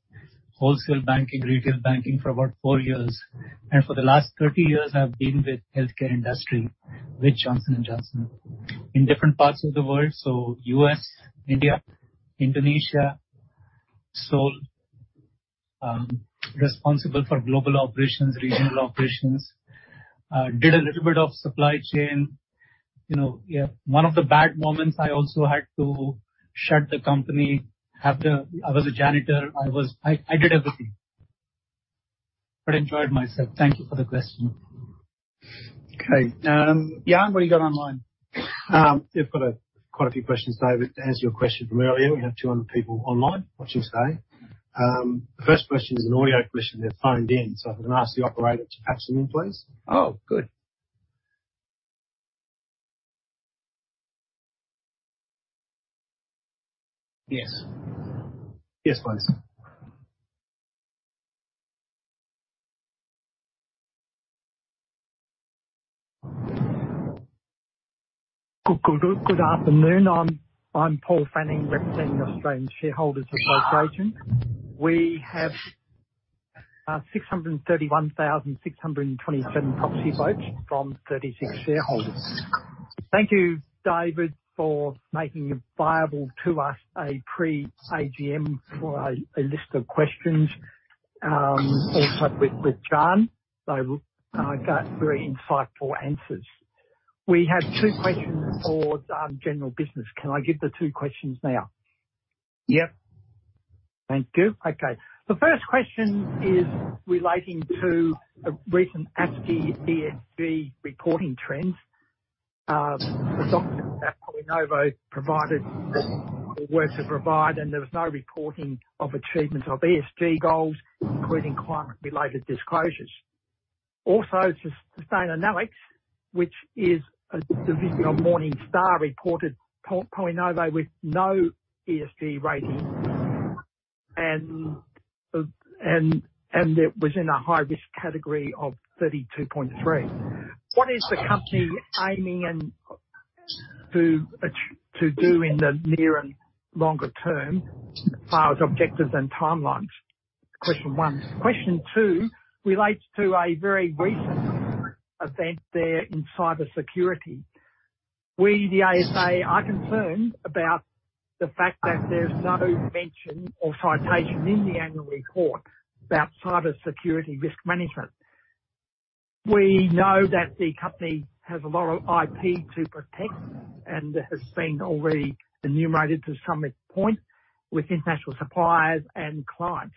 [SPEAKER 4] wholesale banking, retail banking for about four years. For the last 30 years, I've been with healthcare industry with Johnson & Johnson in different parts of the world, so U.S., India, Indonesia, Seoul. Responsible for global operations, regional operations. Did a little bit of supply chain, you know. Yeah, one of the bad moments, I also had to shut the company. I was a janitor. I did everything, but enjoyed myself. Thank you for the question.
[SPEAKER 1] Okay. Jan, what do you got online?
[SPEAKER 2] We've got quite a few questions, David. To answer your question from earlier, we have 200 people online watching today. The first question is an audio question. They've phoned in, so if I can ask the operator to patch them in, please.
[SPEAKER 1] Oh, good. Yes.
[SPEAKER 2] Yes, please.
[SPEAKER 13] Good afternoon. I'm Paul Fanning, representing Australian Shareholders' Association. We have 631,627 proxy votes from 36 shareholders. Thank you, David, for making available to us a pre-AGM for a list of questions, also with Jan. They got very insightful answers. We have two questions for general business. Can I give the two questions now?
[SPEAKER 1] Yep.
[SPEAKER 13] Thank you. Okay. The first question is relating to a recent ACSI ESG reporting trends. The documents that PolyNovo provided or were to provide, and there was no reporting of achievements of ESG goals, including climate-related disclosures. Also, Sustainalytics, which is a division of Morningstar, reported PolyNovo with no ESG rating. And it was in a high-risk category of 32.3. What is the company aiming to do in the near and longer term as far as objectives and timelines? Question one. Question two relates to a very recent event there in cybersecurity. We, the ASA, are concerned about the fact that there's no mention or citation in the annual report about cybersecurity risk management. We know that the company has a lot of IP to protect and has been already engaged to some extent with international suppliers and clients.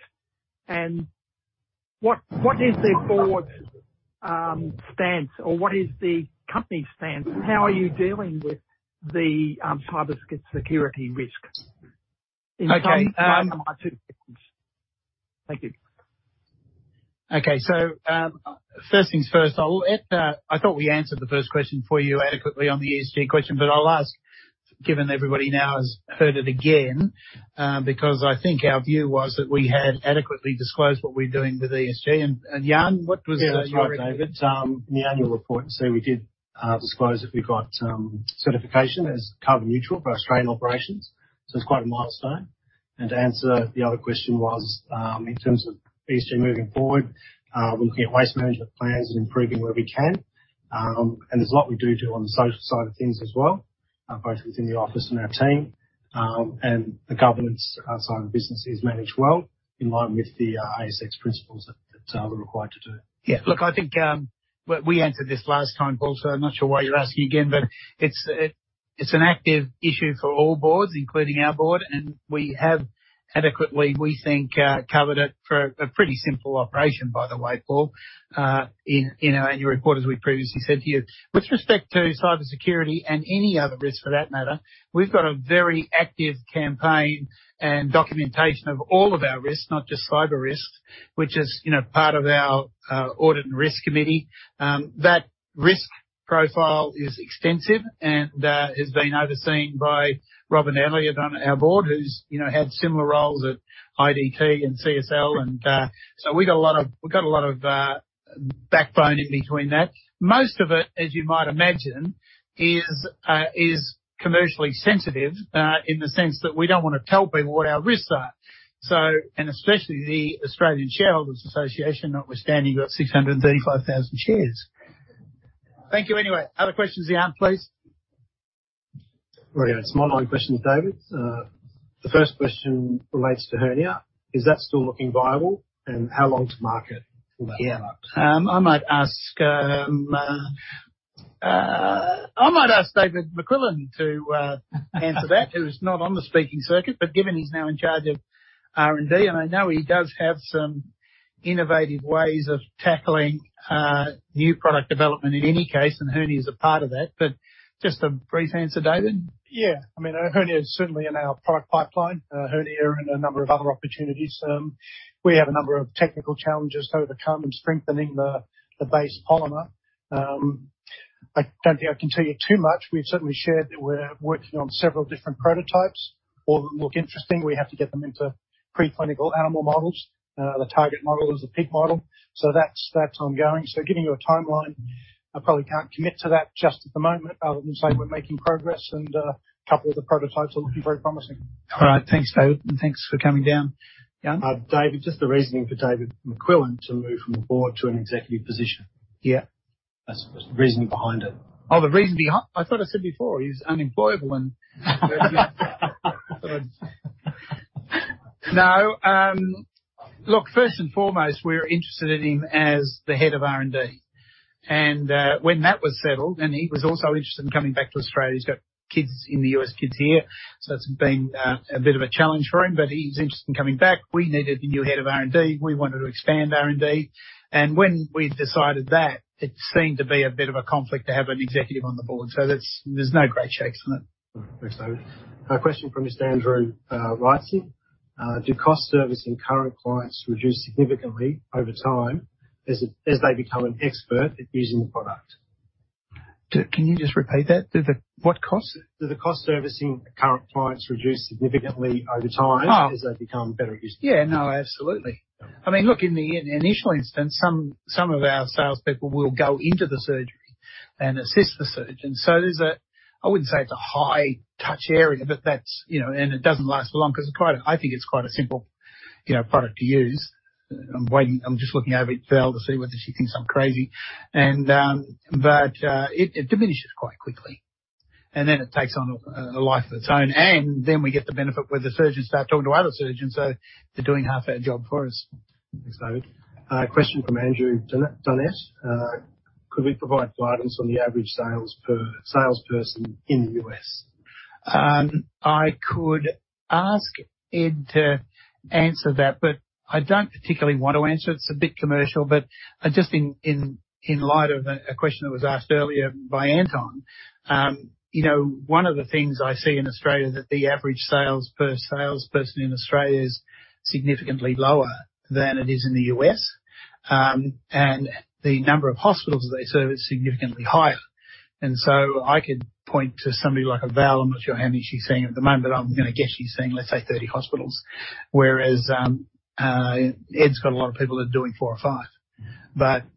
[SPEAKER 13] What is the board's stance or what is the company's stance? How are you dealing with the cybersecurity risk?
[SPEAKER 1] Okay.
[SPEAKER 13] Those are my two questions. Thank you.
[SPEAKER 1] Okay. First things first. I thought we answered the first question for you adequately on the ESG question, but I'll ask, given everybody now has heard it again, because I think our view was that we had adequately disclosed what we're doing with ESG. Jan, what was your-
[SPEAKER 2] Yeah, that's right, David. In the annual report, we did disclose that we got certification as carbon neutral for Australian operations. It's quite a milestone. To answer the other question was in terms of ESG moving forward, we're looking at waste management plans and improving where we can. And there's a lot we do on the social side of things as well, both within the office and our team. And the governance side of the business is managed well in line with the ASX principles that we're required to do.
[SPEAKER 1] Yeah. Look, I think we answered this last time, Paul, so I'm not sure why you're asking again, but it's an active issue for all boards, including our board, and we have adequately, we think, covered it for a pretty simple operation, by the way, Paul, in our annual report, as we previously said to you. With respect to cybersecurity and any other risk for that matter, we've got a very active campaign and documentation of all of our risks, not just cyber risks, which is, you know, part of our audit and risk committee. That risk profile is extensive and is being overseen by Robyn Elliott on our board, who's, you know, had similar roles at IDT and CSL. We got a lot of backbone in between that. Most of it, as you might imagine, is commercially sensitive, in the sense that we don't wanna tell people what our risks are. Especially the Australian Shareholders' Association, notwithstanding you've got 635,000 shares. Thank you anyway. Other questions, Jan, please.
[SPEAKER 2] Righty-o. It's my nine questions, David. The first question relates to hernia. Is that still looking viable, and how long to market for that product?
[SPEAKER 1] I might ask David McQuillan to answer that, who's not on the speaking circuit, but given he's now in charge of R&D, and I know he does have some innovative ways of tackling new product development in any case, and hernia is a part of that. Just a brief answer, David.
[SPEAKER 3] Yeah. I mean, Hernia is certainly in our product pipeline, Hernia and a number of other opportunities. We have a number of technical challenges to overcome in strengthening the base polymer. I don't think I can tell you too much. We've certainly shared that we're working on several different prototypes, all of them look interesting. We have to get them into pre-clinical animal models. The target model is a pig model, so that's ongoing. Giving you a timeline, I probably can't commit to that just at the moment, other than say, we're making progress and a couple of the prototypes are looking very promising.
[SPEAKER 1] All right. Thanks, David, and thanks for coming down. Ian?
[SPEAKER 2] David, just the reasoning for David McQuillan to move from the board to an executive position.
[SPEAKER 1] Yeah.
[SPEAKER 2] That's the reasoning behind it.
[SPEAKER 1] I thought I said before, he's unemployable and no. Look, first and foremost, we're interested in him as the head of R&D. When that was settled, and he was also interested in coming back to Australia, he's got kids in the U.S., kids here, so it's been a bit of a challenge for him, but he's interested in coming back. We needed a new head of R&D. We wanted to expand R&D. When we decided that, it seemed to be a bit of a conflict to have an executive on the board. That's, there's no great shakes on it.
[SPEAKER 2] Thanks, David. A question from Mr. Andrew Wrightson. Does the cost of servicing current clients reduce significantly over time as they become an expert at using the product?
[SPEAKER 1] Can you just repeat that? Do the what costs?
[SPEAKER 2] Do the costs servicing current clients reduce significantly over time?
[SPEAKER 1] Oh.
[SPEAKER 2] as they become better at using it?
[SPEAKER 1] Yeah. No, absolutely.
[SPEAKER 2] Yeah.
[SPEAKER 1] I mean, look, in the initial instance, some of our salespeople will go into the surgery and assist the surgeon. There's a. I wouldn't say it's a high-touch area, but that's, you know, and it doesn't last for long because it's quite a, I think it's quite a simple, you know, product to use. I'm waiting. I'm just looking over at Val to see whether she thinks I'm crazy. It diminishes quite quickly, and then it takes on a life of its own. We get the benefit where the surgeons start talking to other surgeons, so they're doing half our job for us.
[SPEAKER 2] Thanks, David. A question from Andrew Donnet. Could we provide guidance on the average sales per salesperson in the U.S.?
[SPEAKER 1] I could ask Ed to answer that, but I don't particularly want to answer it. It's a bit commercial, but just in light of a question that was asked earlier by Anton, you know, one of the things I see in Australia that the average sales per salesperson in Australia is significantly lower than it is in the U.S., and the number of hospitals they service is significantly higher. I could point to somebody like a Val. I'm not sure how many she's seeing at the moment, but I'm gonna guess she's seeing, let's say, 30 hospitals. Whereas, Ed's got a lot of people that are doing four or five.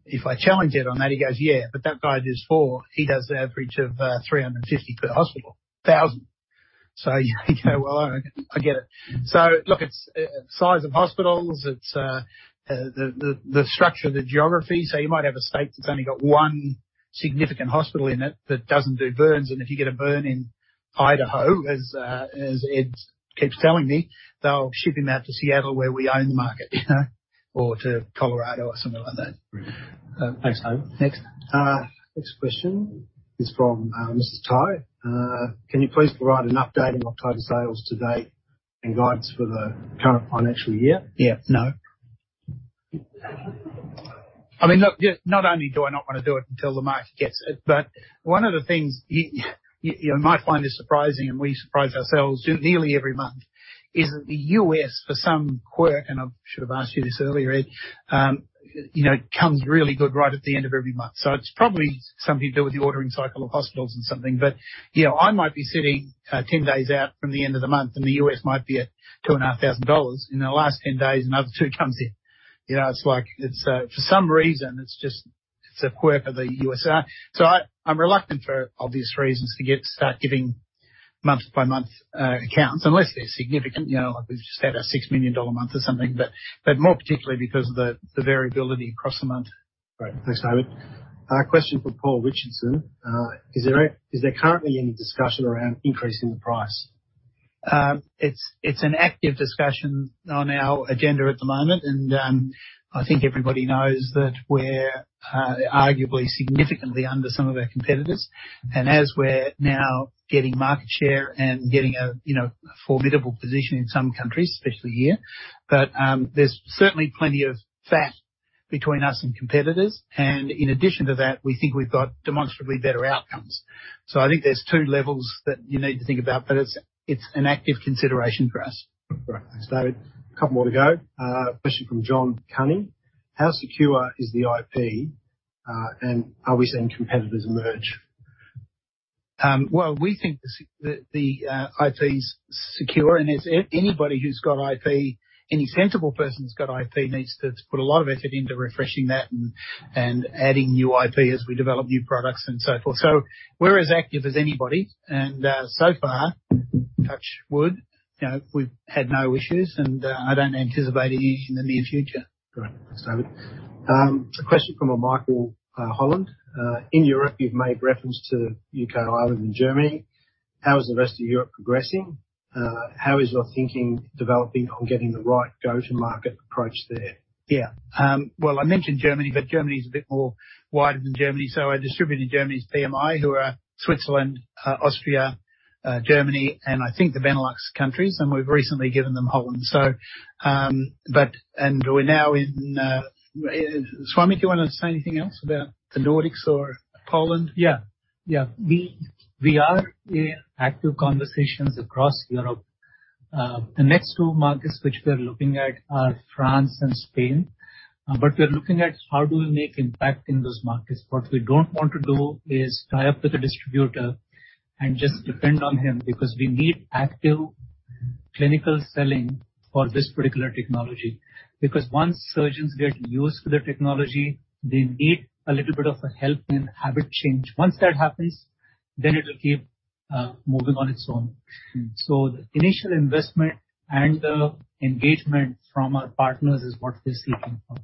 [SPEAKER 1] If I challenge Ed on that, he goes, "Yeah, but that guy does four. He does an average of 350 per hospital. Thousand." You know, well, I get it. Look, it's size of hospitals. It's the structure of the geography. You might have a state that's only got one significant hospital in it that doesn't do burns. If you get a burn in Idaho, as Ed keeps telling me, they'll ship him out to Seattle, where we own the market, you know, or to Colorado or something like that.
[SPEAKER 2] Right. Thanks, David.
[SPEAKER 1] Next.
[SPEAKER 2] Next question is from Mr. Ty. Can you please provide an update on October sales to date and guidance for the current financial year?
[SPEAKER 1] Yeah. No. I mean, look, yeah, not only do I not wanna do it until the market gets it, but one of the things you know, might find is surprising, and we surprise ourselves nearly every month, is that the U.S., for some quirk, and I should have asked you this earlier, Ed, you know, comes really good right at the end of every month. So it's probably something to do with the ordering cycle of hospitals and something, but, you know, I might be sitting, 10 days out from the end of the month, and the U.S. might be at $2,500. In the last 10 days, another two comes in. You know, it's like, for some reason, it's just a quirk of the U.S. I'm reluctant for obvious reasons to start giving month-by-month accounts unless they're significant, you know, like we've just had our 6 million dollar month or something. More particularly because of the variability across the month.
[SPEAKER 2] Great. Thanks, David. A question from Paul Richardson. Is there currently any discussion around increasing the price?
[SPEAKER 1] It's an active discussion on our agenda at the moment, and I think everybody knows that we're arguably significantly under some of our competitors. As we're now getting market share and getting a, you know, a formidable position in some countries, especially here, but there's certainly plenty of fat between us and competitors, and in addition to that, we think we've got demonstrably better outcomes. I think there's two levels that you need to think about, but it's an active consideration for us.
[SPEAKER 2] Great. Thanks, David. A couple more to go. Question from John Cunning. How secure is the IP, and are we seeing competitors emerge?
[SPEAKER 1] Well, we think the IP's secure, and as anybody who's got IP, any sensible person who's got IP needs to put a lot of effort into refreshing that and adding new IP as we develop new products and so forth. We're as active as anybody, and so far, touch wood, you know, we've had no issues, and I don't anticipate any in the near future.
[SPEAKER 2] Great. Thanks, David. A question from Michael Holland. In Europe, you've made reference to UK, Ireland, and Germany. How is the rest of Europe progressing? How is your thinking developing on getting the right go-to-market approach there?
[SPEAKER 1] Yeah. Well, I mentioned Germany, but Germany is a bit more wider than Germany, so our distributor in Germany is PMI who are Switzerland, Austria, Germany, and I think the Benelux countries, and we've recently given them Holland. We're now in, Swami, do you wanna say anything else about the Nordics or Poland?
[SPEAKER 4] Yeah. Yeah. We are in active conversations across Europe. The next two markets which we're looking at are France and Spain, but we're looking at how do we make impact in those markets. What we don't want to do is tie up with a distributor and just depend on him because we need active clinical selling for this particular technology. Once surgeons get used to the technology, they need a little bit of a help in habit change. Once that happens, then it'll keep moving on its own.
[SPEAKER 1] Mm-hmm.
[SPEAKER 4] The initial investment and the engagement from our partners is what we're seeking from.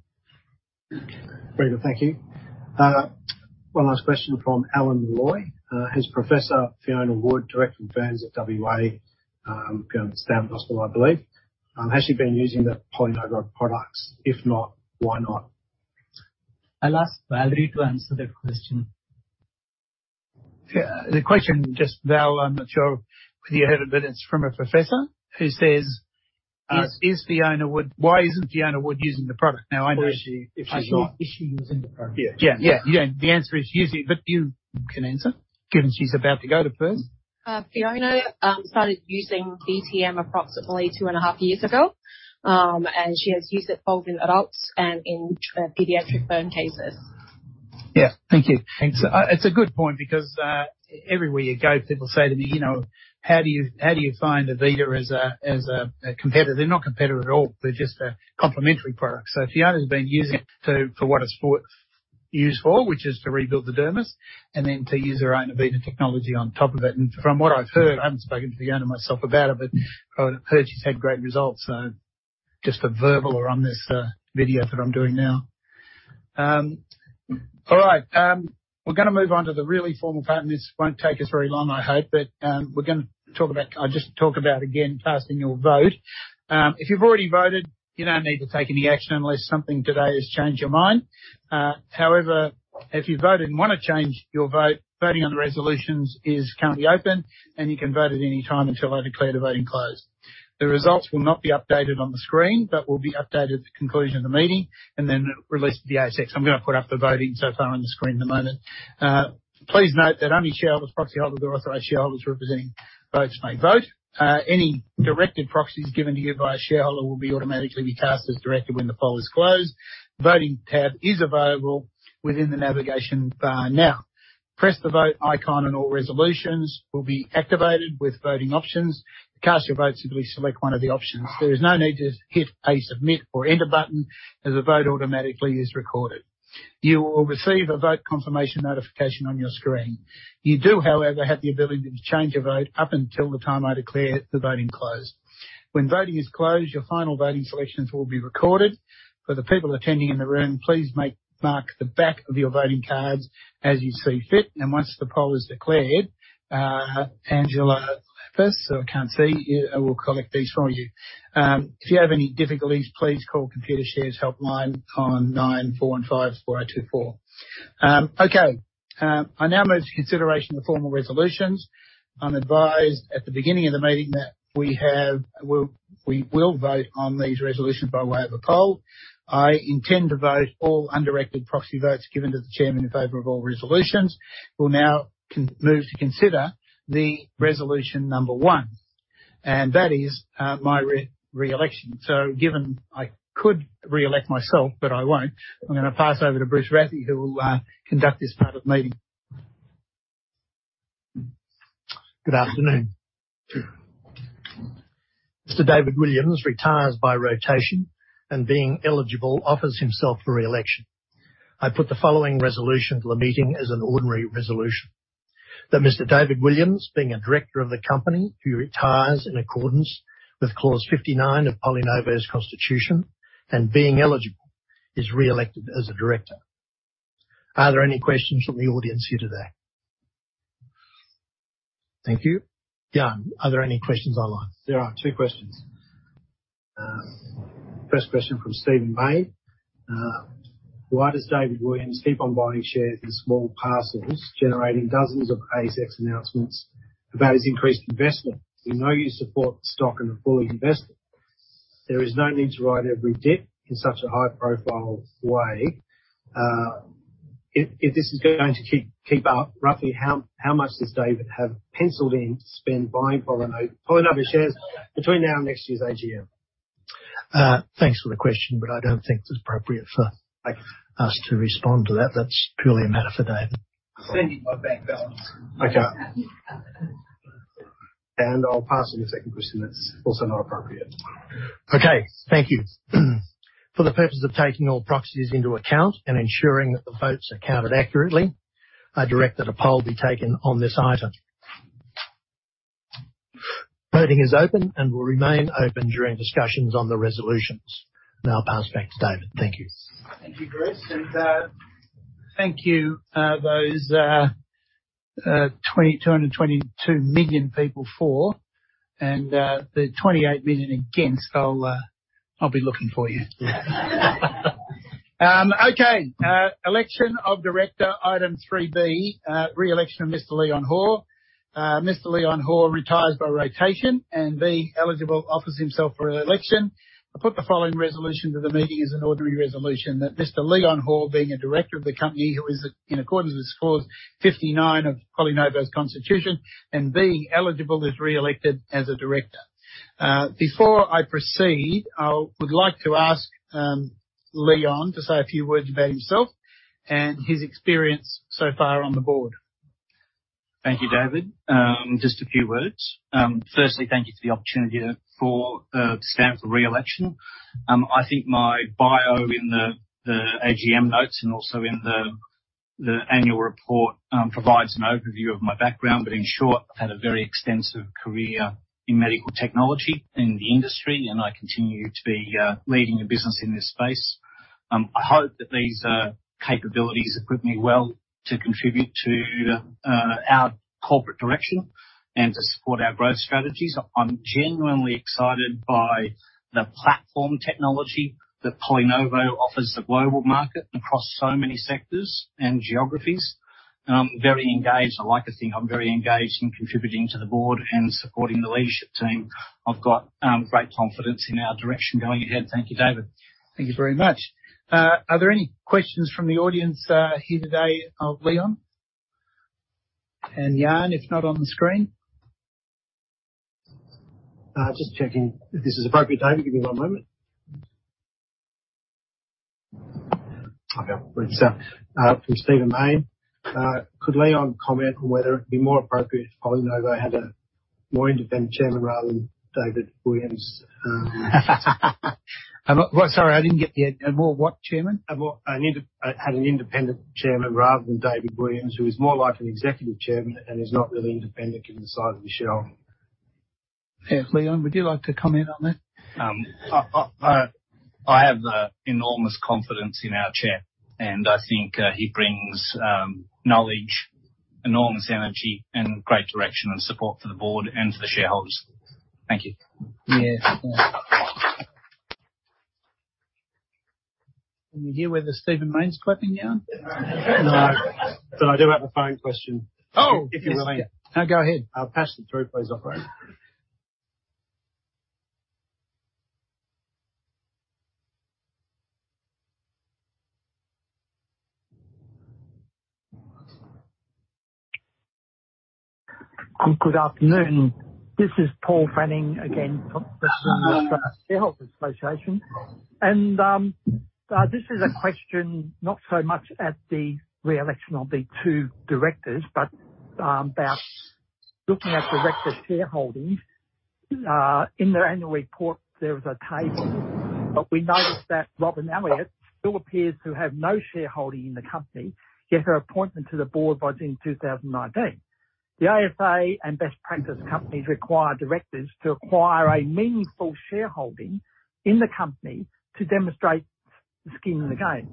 [SPEAKER 2] Very good. Thank you. One last question from Alan Malloy. Has Professor Fiona Wood, Director of Burns at WA, going to the Fiona Stanley Hospital, I believe, has she been using the PolyNovo products? If not, why not?
[SPEAKER 4] I'll ask Valerie to answer that question.
[SPEAKER 2] Yeah. The question, just Val, I'm not sure whether you heard it, but it's from a professor who says, "Is Fiona Wood. Why isn't Fiona Wood using the product?" Now, I know- Is she, if she's not?
[SPEAKER 1] Is she using the product?
[SPEAKER 6] Yeah.
[SPEAKER 2] Yeah. The answer is she is using it, but you can answer, given she's about to go to Burns.
[SPEAKER 6] Fiona started using BTM approximately two and a half years ago, and she has used it both in adults and in pediatric burn cases.
[SPEAKER 1] Yeah. Thank you.
[SPEAKER 6] Thanks.
[SPEAKER 1] It's a good point because everywhere you go, people say to me, you know, "How do you, how do you find Avita as a, as a competitor?" They're not competitor at all. They're just a complementary product. Fiona's been using it for what it's used for, which is to rebuild the dermis and then to use her own Avita technology on top of it. From what I've heard, I haven't spoken to Fiona myself about it, but from what I've heard, she's had great results. Just a verbal or on this video that I'm doing now. All right. We're gonna move on to the really formal part, and this won't take us very long, I hope, but we're gonna talk about again, casting your vote. If you've already voted, you don't need to take any action unless something today has changed your mind. However, if you voted and wanna change your vote, voting on the resolutions is currently open, and you can vote at any time until I declare the voting closed. The results will not be updated on the screen, but will be updated at the conclusion of the meeting and then released to the ASX. I'm gonna put up the voting so far on the screen at the moment. Please note that only shareholders, proxyholders, or authorized shareholders representing votes may vote. Any directed proxies given to you by a shareholder will be automatically cast as directed when the poll is closed. Voting tab is available within the navigation bar now. Press the vote icon, and all resolutions will be activated with voting options. To cast your vote, simply select one of the options. There is no need to hit a submit or enter button, as the vote automatically is recorded. You will receive a vote confirmation notification on your screen. You do, however, have the ability to change your vote up until the time I declare the voting closed. When voting is closed, your final voting selections will be recorded. For the people attending in the room, please mark the back of your voting cards as you see fit. Once the poll is declared, Angela Liapis, who I can't see, will collect these from you. If you have any difficulties, please call Computershare's helpline on 9415424. Okay. I now move to consideration of the formal resolutions. I'm advised at the beginning of the meeting that we have... We will vote on these resolutions by way of a poll. I intend to vote all undirected proxy votes given to the chairman in favor of all resolutions. We will now move to consider the resolution number one, and that is my re-election. Given I could re-elect myself, but I won't, I'm gonna pass over to Bruce Rathie, who will conduct this part of the meeting.
[SPEAKER 14] Good afternoon. Mr. David Williams retires by rotation and being eligible offers himself for re-election. I put the following resolution to the meeting as an ordinary resolution: That Mr. David Williams, being a director of the company, who retires in accordance with Clause 59 of PolyNovo's Constitution and, being eligible, is re-elected as a director. Are there any questions from the audience here today? Thank you.
[SPEAKER 1] Yeah.
[SPEAKER 14] Are there any questions online?
[SPEAKER 2] There are two questions. First question from Stephen Mayne. Why does David Williams keep on buying shares in small parcels, generating dozens of ASX announcements about his increased investment? We know you support the stock and are fully invested. There is no need to ride every dip in such a high-profile way. If this is going to keep up, roughly how much does David have penciled in to spend buying PolyNovo shares between now and next year's AGM?
[SPEAKER 14] Thanks for the question, but I don't think it's appropriate for, like, us to respond to that. That's purely a matter for David.
[SPEAKER 1] Sending my bank balance.
[SPEAKER 2] Okay.
[SPEAKER 1] I'll pass on the second question. That's also not appropriate.
[SPEAKER 14] Okay. Thank you. For the purpose of taking all proxies into account and ensuring that the votes are counted accurately, I direct that a poll be taken on this item.
[SPEAKER 2] Voting is open and will remain open during discussions on the resolutions. Now I'll pass back to David. Thank you.
[SPEAKER 1] Thank you, Chris, and thank you those 222 million people for and the 28 million against. I'll be looking for you. Okay, election of director Item 3B, re-election of Mr. Leon Hoare. Mr. Leon Hoare retires by rotation and being eligible, offers himself for re-election. I put the following resolution to the meeting as an ordinary resolution that Mr. Leon Hoare, being a director of the company who is in accordance with Clause 59 of PolyNovo's constitution and being eligible, is re-elected as a director. Before I proceed, I would like to ask Leon to say a few words about himself and his experience so far on the board.
[SPEAKER 15] Thank you, David. Just a few words. Firstly, thank you for the opportunity to stand for re-election. I think my bio in the AGM notes and also in the annual report provides an overview of my background. In short, I've had a very extensive career in medical technology in the industry, and I continue to be leading the business in this space. I hope that these capabilities equip me well to contribute to our corporate direction and to support our growth strategies. I'm genuinely excited by the platform technology that PolyNovo offers the global market across so many sectors and geographies. I'm very engaged. I like to think I'm very engaged in contributing to the board and supporting the leadership team. I've got great confidence in our direction going ahead. Thank you, David.
[SPEAKER 1] Thank you very much. Are there any questions from the audience here today of Leon Hoare? Jan, if not, on the screen.
[SPEAKER 2] Just checking if this is appropriate, David. Give me one moment. Okay. From Stephen Mayne, could Leon Hoare comment on whether it would be more appropriate if PolyNovo had a more independent chairman rather than David Williams?
[SPEAKER 1] Sorry, I didn't get the end. A more what chairman?
[SPEAKER 2] Had an independent chairman rather than David Williams, who is more like an executive chairman and is not really independent given the size of the shareholding.
[SPEAKER 1] Yeah. Leon, would you like to comment on that?
[SPEAKER 15] I have enormous confidence in our chair, and I think he brings knowledge, enormous energy, and great direction and support for the board and to the shareholders. Thank you.
[SPEAKER 1] Yeah. Can you hear whether Stephen Mayne is clapping, Jan?
[SPEAKER 2] No, but I do have a phone question.
[SPEAKER 1] Oh.
[SPEAKER 2] If you're willing.
[SPEAKER 1] No, go ahead.
[SPEAKER 2] I'll pass you through, please, operator.
[SPEAKER 13] Good afternoon. This is Paul Fanning again from the Australian Shareholders' Association. This is a question not so much at the re-election of the two directors, but about looking at director shareholdings. In their annual report there is a table, but we notice that Robyn Elliott still appears to have no shareholding in the company, yet her appointment to the board was in 2019. The ASA and best practice companies require directors to acquire a meaningful shareholding in the company to demonstrate skin in the game.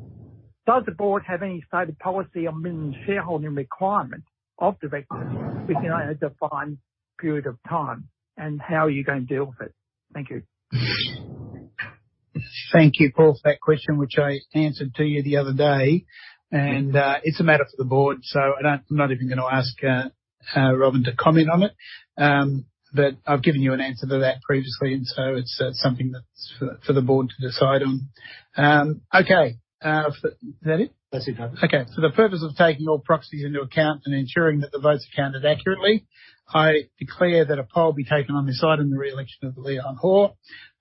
[SPEAKER 13] Does the board have any stated policy on minimum shareholding requirement of directors within a defined period of time? How are you going to deal with it? Thank you.
[SPEAKER 1] Thank you, Paul, for that question, which I answered to you the other day. It's a matter for the board, so I'm not even going to ask Robyn to comment on it. I've given you an answer to that previously, and so it's something that's for the board to decide on. Okay. Is that it?
[SPEAKER 2] That's it, David.
[SPEAKER 1] Okay. For the purpose of taking all proxies into account and ensuring that the votes are counted accurately, I declare that a poll be taken on this item, the re-election of Leon Hoare.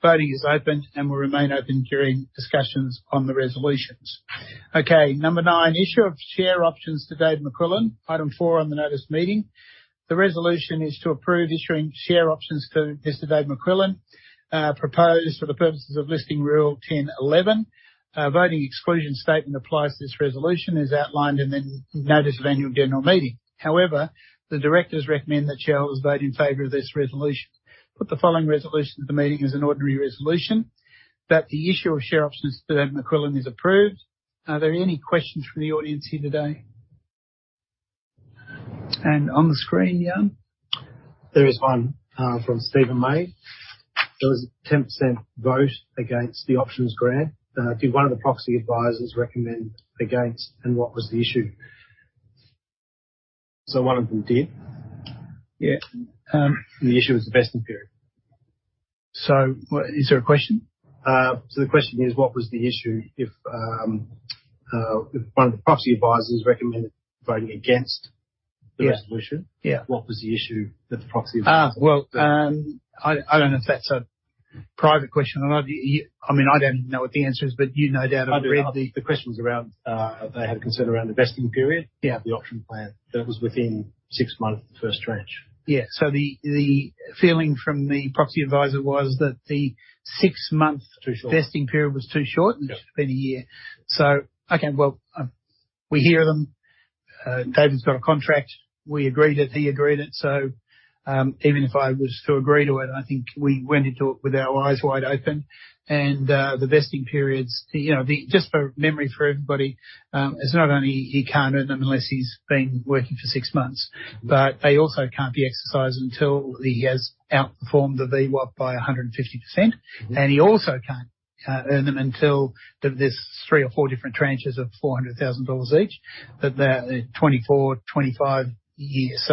[SPEAKER 1] Voting is open and will remain open during discussions on the resolutions. Okay. Number nine, issue of share options to David McQuillan, item 4 on the notice of meeting. The resolution is to approve issuing share options to Mr. David McQuillan, proposed for the purposes of Listing Rule 10.11. A voting exclusion statement applies to this resolution as outlined in the notice of annual general meeting. However, the directors recommend that shareholders vote in favor of this resolution. Put the following resolution to the meeting as an ordinary resolution, that the issue of share options to David McQuillan is approved. Are there any questions from the audience here today? On the screen, Jan?
[SPEAKER 2] There is one from Stephen Mayne. There was a 10% vote against the options grant. Did one of the proxy advisors recommend against, and what was the issue?
[SPEAKER 1] One of them did?
[SPEAKER 2] Yeah.
[SPEAKER 1] The issue was the vesting period. Is there a question?
[SPEAKER 2] The question is, what was the issue if one of the proxy advisors recommended voting against the resolution?
[SPEAKER 1] Yeah.
[SPEAKER 2] What was the issue that the proxy advisor
[SPEAKER 1] Well, I don't know if that's a private question or not. I mean, I don't know what the answer is, but you no doubt have read.
[SPEAKER 2] The question was around, they had a concern around the vesting period.
[SPEAKER 1] Yeah.
[SPEAKER 2] of the option plan that was within six months of the first tranche.
[SPEAKER 1] The feeling from the proxy advisor was that the six-month-
[SPEAKER 2] Too short.
[SPEAKER 1] Vesting period was too short.
[SPEAKER 2] Yeah.
[SPEAKER 1] It should have been a year. Okay. Well, we hear them. David's got a contract. We agreed it, he agreed it. Even if I was to agree to it, I think we went into it with our eyes wide open. The vesting periods, you know. Just for memory for everybody, it's not only he can't earn them unless he's been working for six months, but they also can't be exercised until he has outperformed the VWAP by 150%.
[SPEAKER 4] Mm-hmm.
[SPEAKER 1] He also can't earn them until there's three or four different tranches of 400,000 dollars each, that they're 24-25 years.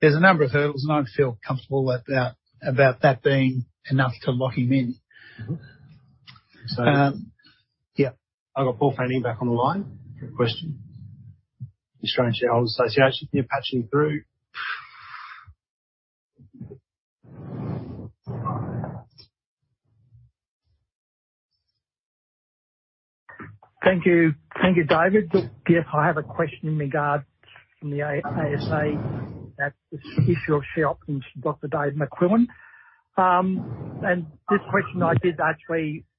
[SPEAKER 1] There's a number of hurdles, and I feel comfortable at that, about that being enough to lock him in.
[SPEAKER 4] Mm-hmm.
[SPEAKER 1] Yeah.
[SPEAKER 4] I've got Paul Fanning back on the line. You have a question? Australian Shareholders' Association. Can you patch him through?
[SPEAKER 13] Thank you. Thank you, David. Look, yes, I have a question regarding from the ASA about this issue of share options, Dr. David McQuillan. This question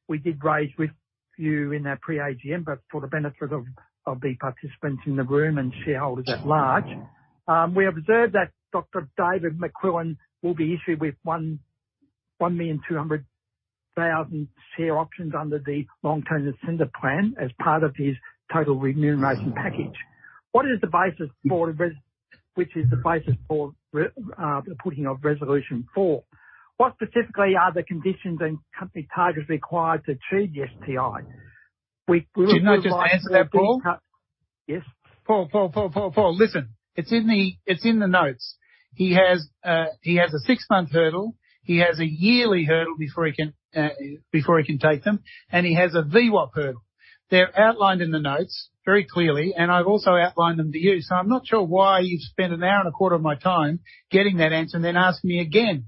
[SPEAKER 13] we did raise with you in our pre-AGM, but for the benefit of the participants in the room and shareholders at large. We observed that Dr. David McQuillan will be issued with 1,200,000 share options under the long-term incentive plan as part of his total remuneration package. Which is the basis for the putting of resolution four? What specifically are the conditions and company targets required to achieve the STI? We would like-
[SPEAKER 1] Did I not just answer that, Paul?
[SPEAKER 13] Yes.
[SPEAKER 1] Paul, listen, it's in the notes. He has a six-month hurdle. He has a yearly hurdle before he can take them, and he has a VWAP hurdle. They're outlined in the notes very clearly, and I've also outlined them to you, so I'm not sure why you've spent an hour and a quarter of my time getting that answer and then asking me again.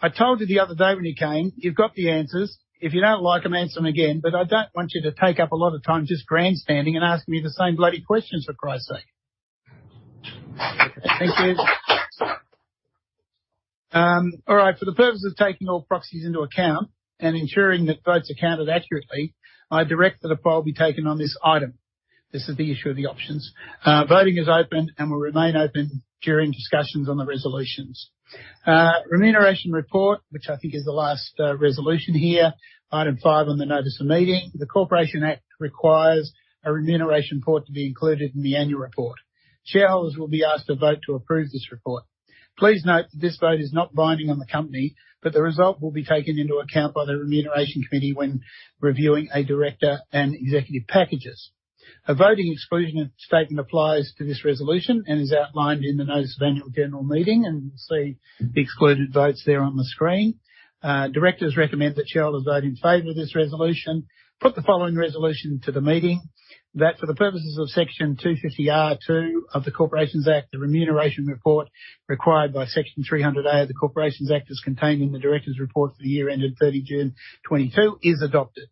[SPEAKER 1] I told you the other day when you came, you've got the answers. If you don't like them, ask them again, but I don't want you to take up a lot of time just grandstanding and asking me the same bloody question, for Christ's sake.
[SPEAKER 13] Thank you.
[SPEAKER 1] All right, for the purpose of taking all proxies into account and ensuring that votes are counted accurately, I direct that a poll be taken on this item. This is the issue of the options. Voting is open and will remain open during discussions on the resolutions. Remuneration report, which I think is the last resolution here, item five on the notice of meeting. The Corporations Act requires a remuneration report to be included in the annual report. Shareholders will be asked to vote to approve this report. Please note that this vote is not binding on the company, but the result will be taken into account by the Remuneration Committee when reviewing a director and executive packages. A voting exclusion statement applies to this resolution and is outlined in the notice of annual general meeting, and you'll see the excluded votes there on the screen. Directors recommend that shareholders vote in favor of this resolution. I put the following resolution to the meeting, that for the purposes of Section 250R(2) of the Corporations Act, the remuneration report required by Section 300A of the Corporations Act is contained in the directors' report for the year ended 30 June 2022 is adopted.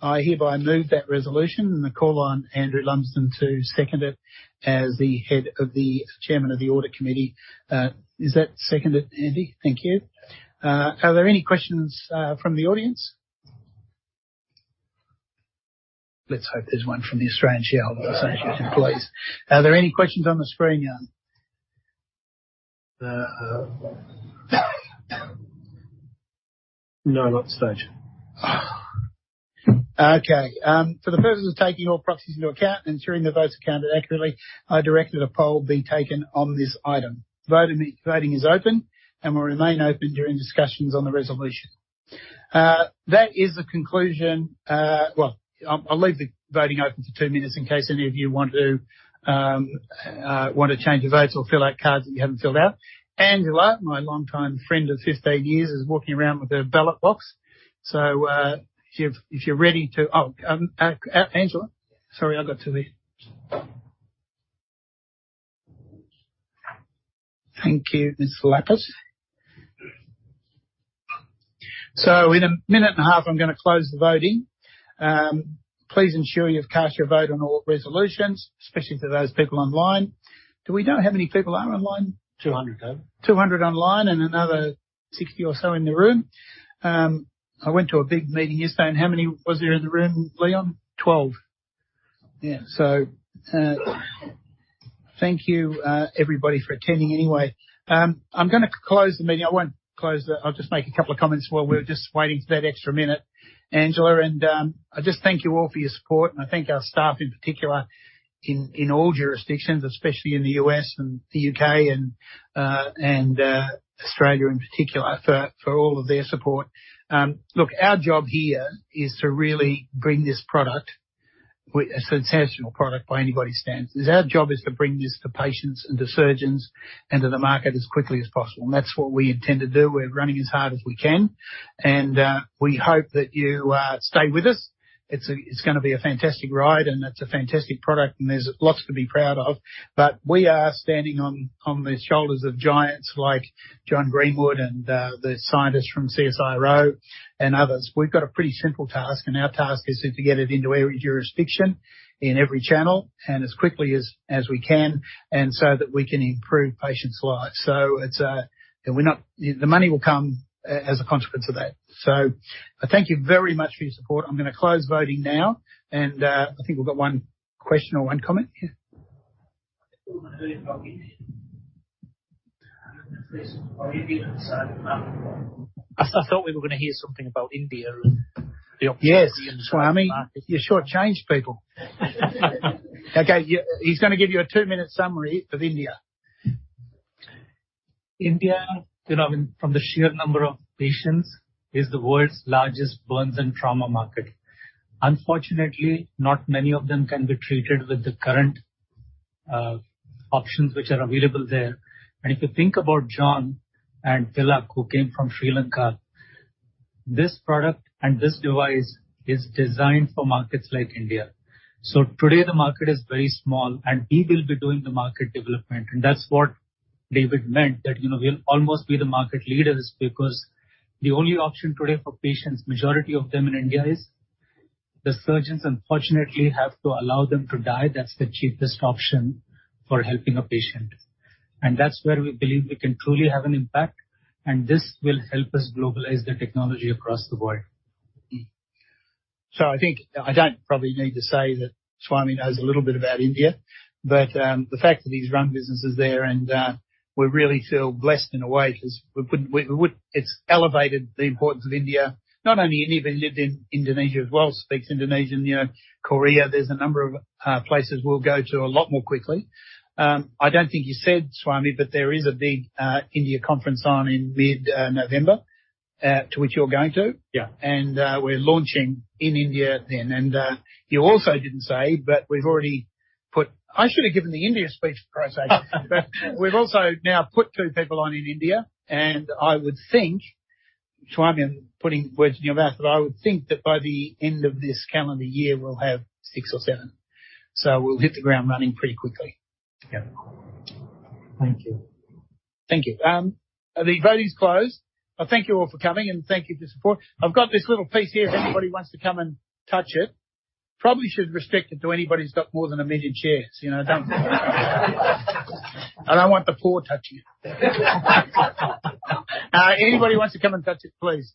[SPEAKER 1] I hereby move that resolution and call on Andrew Lumsden to second it as the Chairman of the audit committee. Is that seconded, Andy? Thank you. Are there any questions from the audience? Let's hope there's one from the Australian Shareholders' Association employees. Are there any questions on the screen, Leon?
[SPEAKER 2] No, not at this stage.
[SPEAKER 1] For the purpose of taking all proxies into account and ensuring the votes are counted accurately, I direct that a poll be taken on this item. Voting is open and will remain open during discussions on the resolution. That is the conclusion. Well, I'll leave the voting open for two minutes in case any of you want to change your votes or fill out cards that you haven't filled out. Angela, my longtime friend of 15 years, is walking around with her ballot box. Oh, Angela. Sorry. Thank you, Ms. Liapis. In 1.5 minutes, I'm gonna close the voting. Please ensure you've cast your vote on all resolutions, especially for those people online. Do we know how many people are online?
[SPEAKER 4] 200, David.
[SPEAKER 1] 200 online and another 60 or so in the room. I went to a big meeting yesterday, and how many was there in the room, Leon?
[SPEAKER 15] Twelve.
[SPEAKER 1] Yeah. Thank you, everybody, for attending anyway. I'm gonna close the meeting. I won't close. I'll just make a couple of comments while we're just waiting for that extra minute. Angela, I just thank you all for your support. I thank our staff in particular, in all jurisdictions, especially in the U.S. and the U.K. and Australia in particular, for all of their support. Look, our job here is to really bring this product. A sensational product by anybody's standards. It's our job to bring this to patients and to surgeons and to the market as quickly as possible, and that's what we intend to do. We're running as hard as we can, and we hope that you stay with us. It's gonna be a fantastic ride, and it's a fantastic product, and there's lots to be proud of. We are standing on the shoulders of giants like John Greenwood and the scientists from CSIRO and others. We've got a pretty simple task, and our task is to get it into every jurisdiction, in every channel, and as quickly as we can, and so that we can improve patients' lives. The money will come as a consequence of that. I thank you very much for your support. I'm gonna close voting now. I think we've got one question or one comment. Yeah.
[SPEAKER 4] I thought we were gonna hear something about India and the opportunity.
[SPEAKER 1] Yes, Swami. You short-changed people. Okay, he's gonna give you a two-minute summary of India.
[SPEAKER 4] India, you know, I mean, from the sheer number of patients, is the world's largest burns and trauma market. Unfortunately, not many of them can be treated with the current options which are available there. If you think about John and Tilak, who came from Sri Lanka, this product and this device is designed for markets like India. Today the market is very small, and we will be doing the market development. That's what David meant, that, you know, we'll almost be the market leaders because the only option today for patients, majority of them in India is, the surgeons unfortunately have to allow them to die. That's the cheapest option for helping a patient. That's where we believe we can truly have an impact, and this will help us globalize the technology across the world.
[SPEAKER 1] I think, I don't probably need to say that Swami knows a little bit about India, but the fact that he's run businesses there and we really feel blessed in a way 'cause it's elevated the importance of India. Not only India, but he lived in Indonesia as well, speaks Indonesian, you know, Korea. There's a number of places we'll go to a lot more quickly. I don't think you said, Swami, but there is a big India conference on in mid-November to which you're going to.
[SPEAKER 4] Yeah.
[SPEAKER 1] We're launching in India then. You also didn't say. I should have given the India speech for Christ's sake. We've also now put two people on in India, and I would think, Swami, I'm putting words in your mouth, but I would think that by the end of this calendar year, we'll have six or seven. We'll hit the ground running pretty quickly.
[SPEAKER 4] Yeah. Thank you.
[SPEAKER 1] Thank you. The voting's closed. I thank you all for coming, and thank you for your support. I've got this little piece here if anybody wants to come and touch it. Probably should restrict it to anybody who's got more than 1 million shares, you know, don't want the poor touching it. Anybody wants to come and touch it, please.